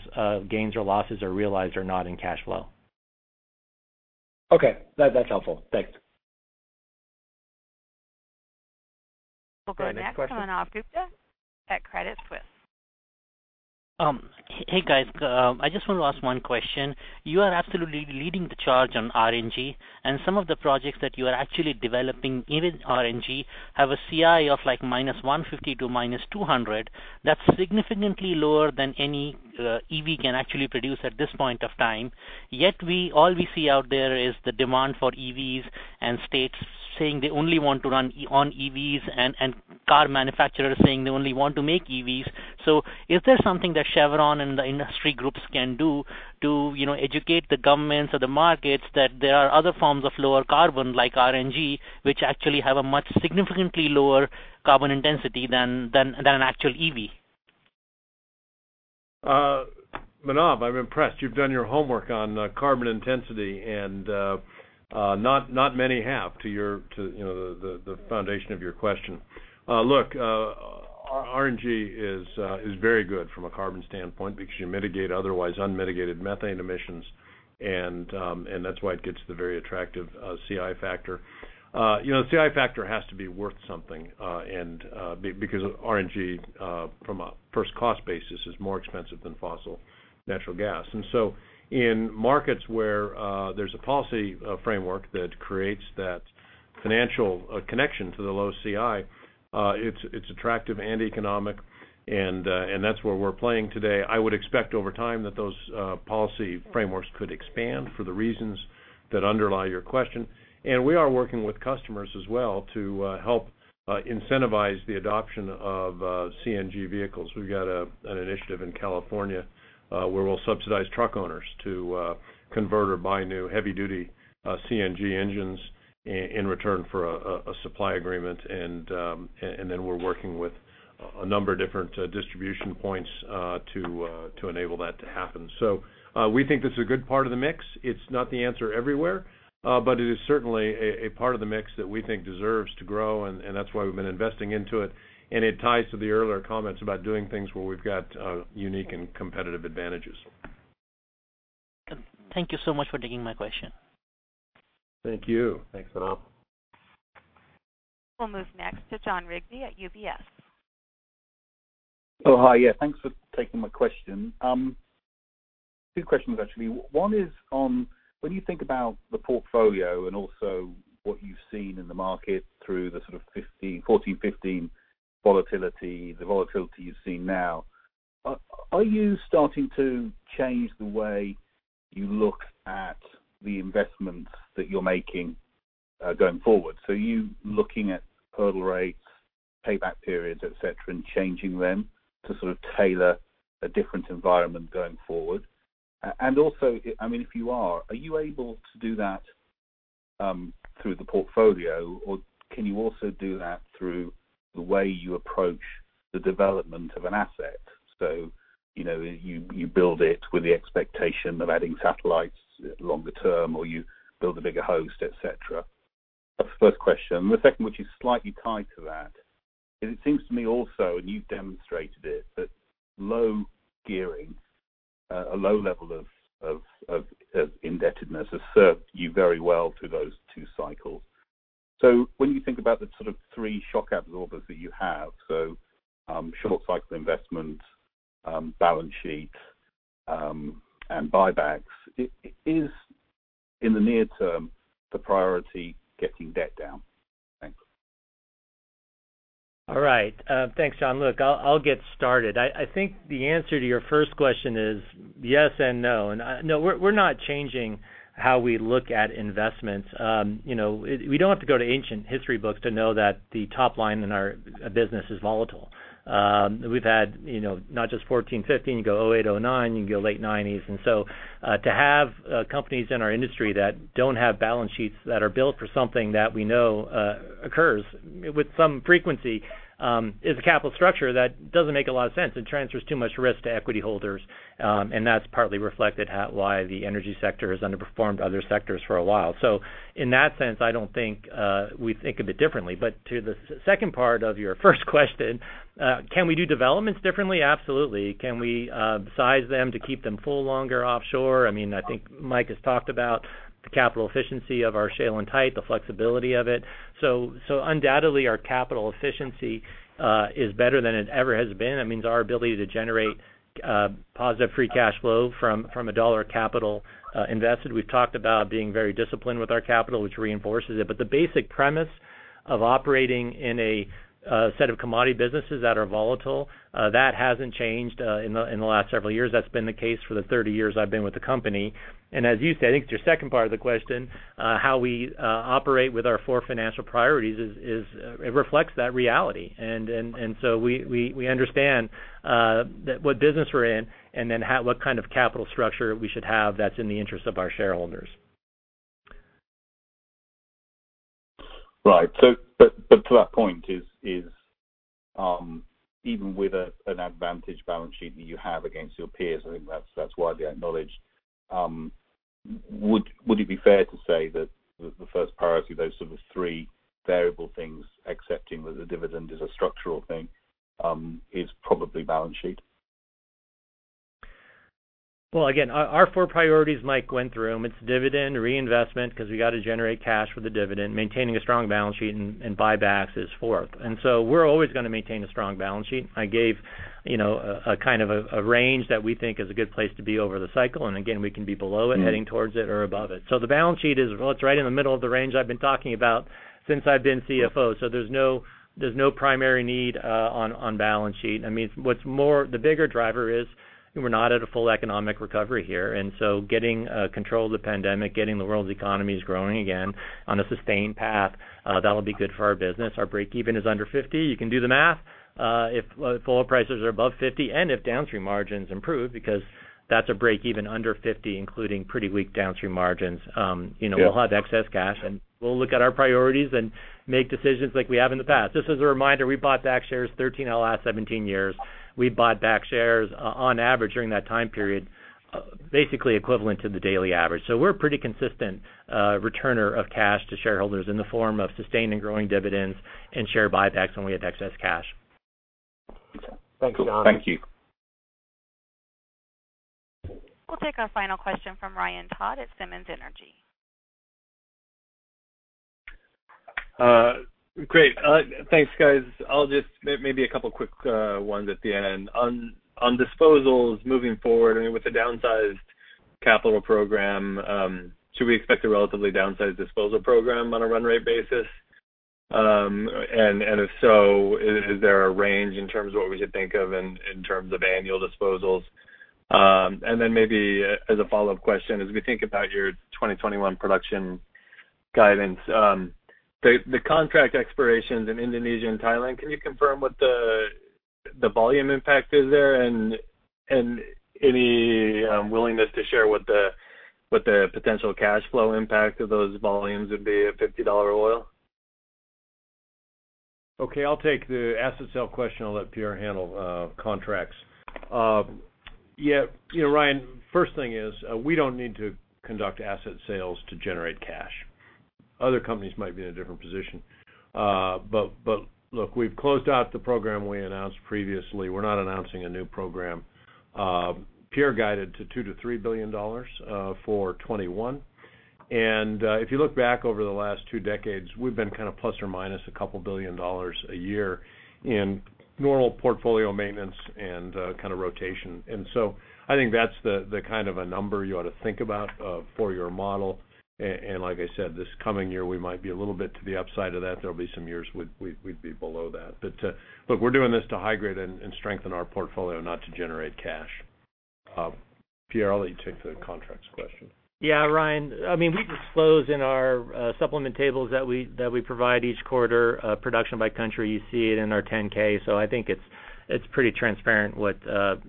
gains or losses are realized or not in cash flow. Okay. That's helpful. Thanks. We'll go next to Manav Gupta at Credit Suisse. Hey, guys. I just want to ask one question. You are absolutely leading the charge on RNG, and some of the projects that you are actually developing in RNG have a CI of like -150 to -200. That's significantly lower than any EV can actually produce at this point of time. Yet all we see out there is the demand for EVs and states saying they only want to run on EVs, and car manufacturers saying they only want to make EVs. Is there something that Chevron and the industry groups can do to educate the governments or the markets that there are other forms of lower carbon, like RNG, which actually have a much significantly lower carbon intensity than an actual EV? Manav, I'm impressed. You've done your homework on carbon intensity, and not many have, to the foundation of your question. RNG is very good from a carbon standpoint because you mitigate otherwise unmitigated methane emissions, and that's why it gets the very attractive CI factor. The CI factor has to be worth something, because RNG, from a first cost basis, is more expensive than fossil natural gas. In markets where there's a policy framework that creates that financial connection to the low CI, it's attractive and economic, and that's where we're playing today. I would expect over time that those policy frameworks could expand for the reasons that underlie your question. We are working with customers as well to help incentivize the adoption of CNG vehicles. We've got an initiative in California where we'll subsidize truck owners to convert or buy new heavy-duty CNG engines in return for a supply agreement. We're working with a number of different distribution points to enable that to happen. We think this is a good part of the mix. It's not the answer everywhere. It is certainly a part of the mix that we think deserves to grow, and that's why we've been investing into it. It ties to the earlier comments about doing things where we've got unique and competitive advantages. Thank you so much for taking my question. Thank you. Thanks, Manav. We'll move next to Jon Rigby at UBS. Oh, hi. Yeah, thanks for taking my question. Two questions, actually. One is on, when you think about the portfolio and also what you've seen in the market through the sort of 2014, 2015 volatility, the volatility you've seen now, are you starting to change the way you look at the investments that you're making going forward? Are you looking at hurdle rates, payback periods, et cetera, and changing them to sort of tailor a different environment going forward? If you are you able to do that through the portfolio, or can you also do that through the way you approach the development of an asset? You build it with the expectation of adding satellites longer term, or you build a bigger host, et cetera. That's the first question. The second, which is slightly tied to that, is it seems to me also, and you've demonstrated it, that low gearing, a low level of indebtedness has served you very well through those two cycles. When you think about the sort of three shock absorbers that you have, so short cycle investment, balance sheet, and buybacks, is, in the near term, the priority getting debt down? Thanks. All right. Thanks, Jon. Look, I'll get started. I think the answer to your first question is yes and no. No, we're not changing how we look at investments. We don't have to go to ancient history books to know that the top line in our business is volatile. We've had not just 2014, 2015, you can go 2008, 2009, you can go late 1990s. To have companies in our industry that don't have balance sheets that are built for something that we know occurs with some frequency is a capital structure that doesn't make a lot of sense. It transfers too much risk to equity holders, and that's partly reflected at why the energy sector has underperformed other sectors for a while. In that sense, I don't think we think of it differently. To the second part of your first question, can we do developments differently? Absolutely. Can we size them to keep them full longer offshore? I think Mike has talked about the capital efficiency of our shale and tight, the flexibility of it. Undoubtedly, our capital efficiency is better than it ever has been. That means our ability to generate positive free cash flow from a dollar of capital invested. We've talked about being very disciplined with our capital, which reinforces it. The basic premise of operating in a set of commodity businesses that are volatile, that hasn't changed in the last several years. That's been the case for the 30 years I've been with the company. As you said, I think it's your second part of the question, how we operate with our four financial priorities is it reflects that reality. We understand what business we're in and then what kind of capital structure we should have that's in the interest of our shareholders. Right. To that point is, even with an advantage balance sheet that you have against your peers, I think that's widely acknowledged, would it be fair to say that the first priority of those sort of three variable things, excepting that the dividend is a structural thing, is probably balance sheet? Well, again, our four priorities Mike went through. It's dividend, reinvestment, because we got to generate cash for the dividend, maintaining a strong balance sheet. Buybacks is fourth. We're always going to maintain a strong balance sheet. I gave a kind of a range that we think is a good place to be over the cycle. Again, we can be below it, heading towards it, or above it. The balance sheet is, well, it's right in the middle of the range I've been talking about since I've been Chief Financial Officer. There's no primary need on balance sheet. The bigger driver is we're not at a full economic recovery here, getting control of the pandemic, getting the world's economies growing again on a sustained path, that'll be good for our business. Our break even is under $50. You can do the math. If oil prices are above $50 and if downstream margins improve, because that's a break even under $50, including pretty weak downstream margins. Yeah. We'll have excess cash, and we'll look at our priorities and make decisions like we have in the past. Just as a reminder, we bought back shares 13 out of the last 17 years. We bought back shares on average during that time period, basically equivalent to the daily average. We're a pretty consistent returner of cash to shareholders in the form of sustained and growing dividends and share buybacks when we have excess cash. Thanks, Jon. Cool. Thank you. We'll take our final question from Ryan Todd at Simmons Energy. Great. Thanks, guys. I'll just maybe a couple quick ones at the end. On disposals moving forward, with the downsized capital program, should we expect a relatively downsized disposal program on a run rate basis? If so, is there a range in terms of what we should think of in terms of annual disposals? Maybe as a follow-up question, as we think about your 2021 production guidance, the contract expirations in Indonesia and Thailand, can you confirm what the volume impact is there and any willingness to share what the potential cash flow impact of those volumes would be at $50 oil? Okay, I'll take the asset sale question. I'll let Pierre handle contracts. Yeah, Ryan, first thing is, we don't need to conduct asset sales to generate cash. Other companies might be in a different position. Look, we've closed out the program we announced previously. We're not announcing a new program. Pierre guided to $2 billion-$3 billion for 2021. If you look back over the last two decades, we've been kind of plus or minus a couple billion dollars a year in normal portfolio maintenance and kind of rotation. I think that's the kind of a number you ought to think about for your model. Like I said, this coming year, we might be a little bit to the upside of that. There'll be some years we'd be below that. Look, we're doing this to high-grade and strengthen our portfolio, not to generate cash. Pierre, I'll let you take the contracts question. Ryan, we disclose in our supplement tables that we provide each quarter production by country. You see it in our 10-K. I think it's pretty transparent what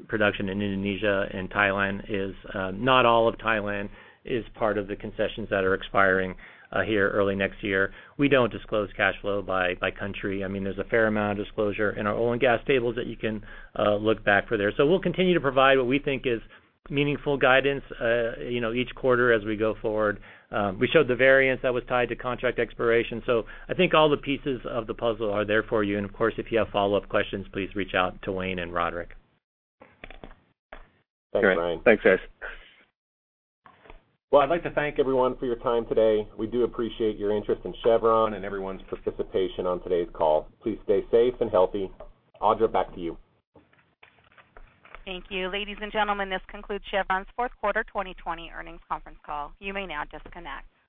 production in Indonesia and Thailand is. Not all of Thailand is part of the concessions that are expiring here early next year. We don't disclose cash flow by country. There's a fair amount of disclosure in our oil and gas tables that you can look back for there. We'll continue to provide what we think is meaningful guidance each quarter as we go forward. We showed the variance that was tied to contract expiration. I think all the pieces of the puzzle are there for you. Of course, if you have follow-up questions, please reach out to Wayne and Roderick. Thanks, Ryan. Thanks, guys. Well, I'd like to thank everyone for your time today. We do appreciate your interest in Chevron and everyone's participation on today's call. Please stay safe and healthy. Audra, back to you. Thank you. Ladies and gentlemen, this concludes Chevron's fourth quarter 2020 earnings conference call. You may now disconnect.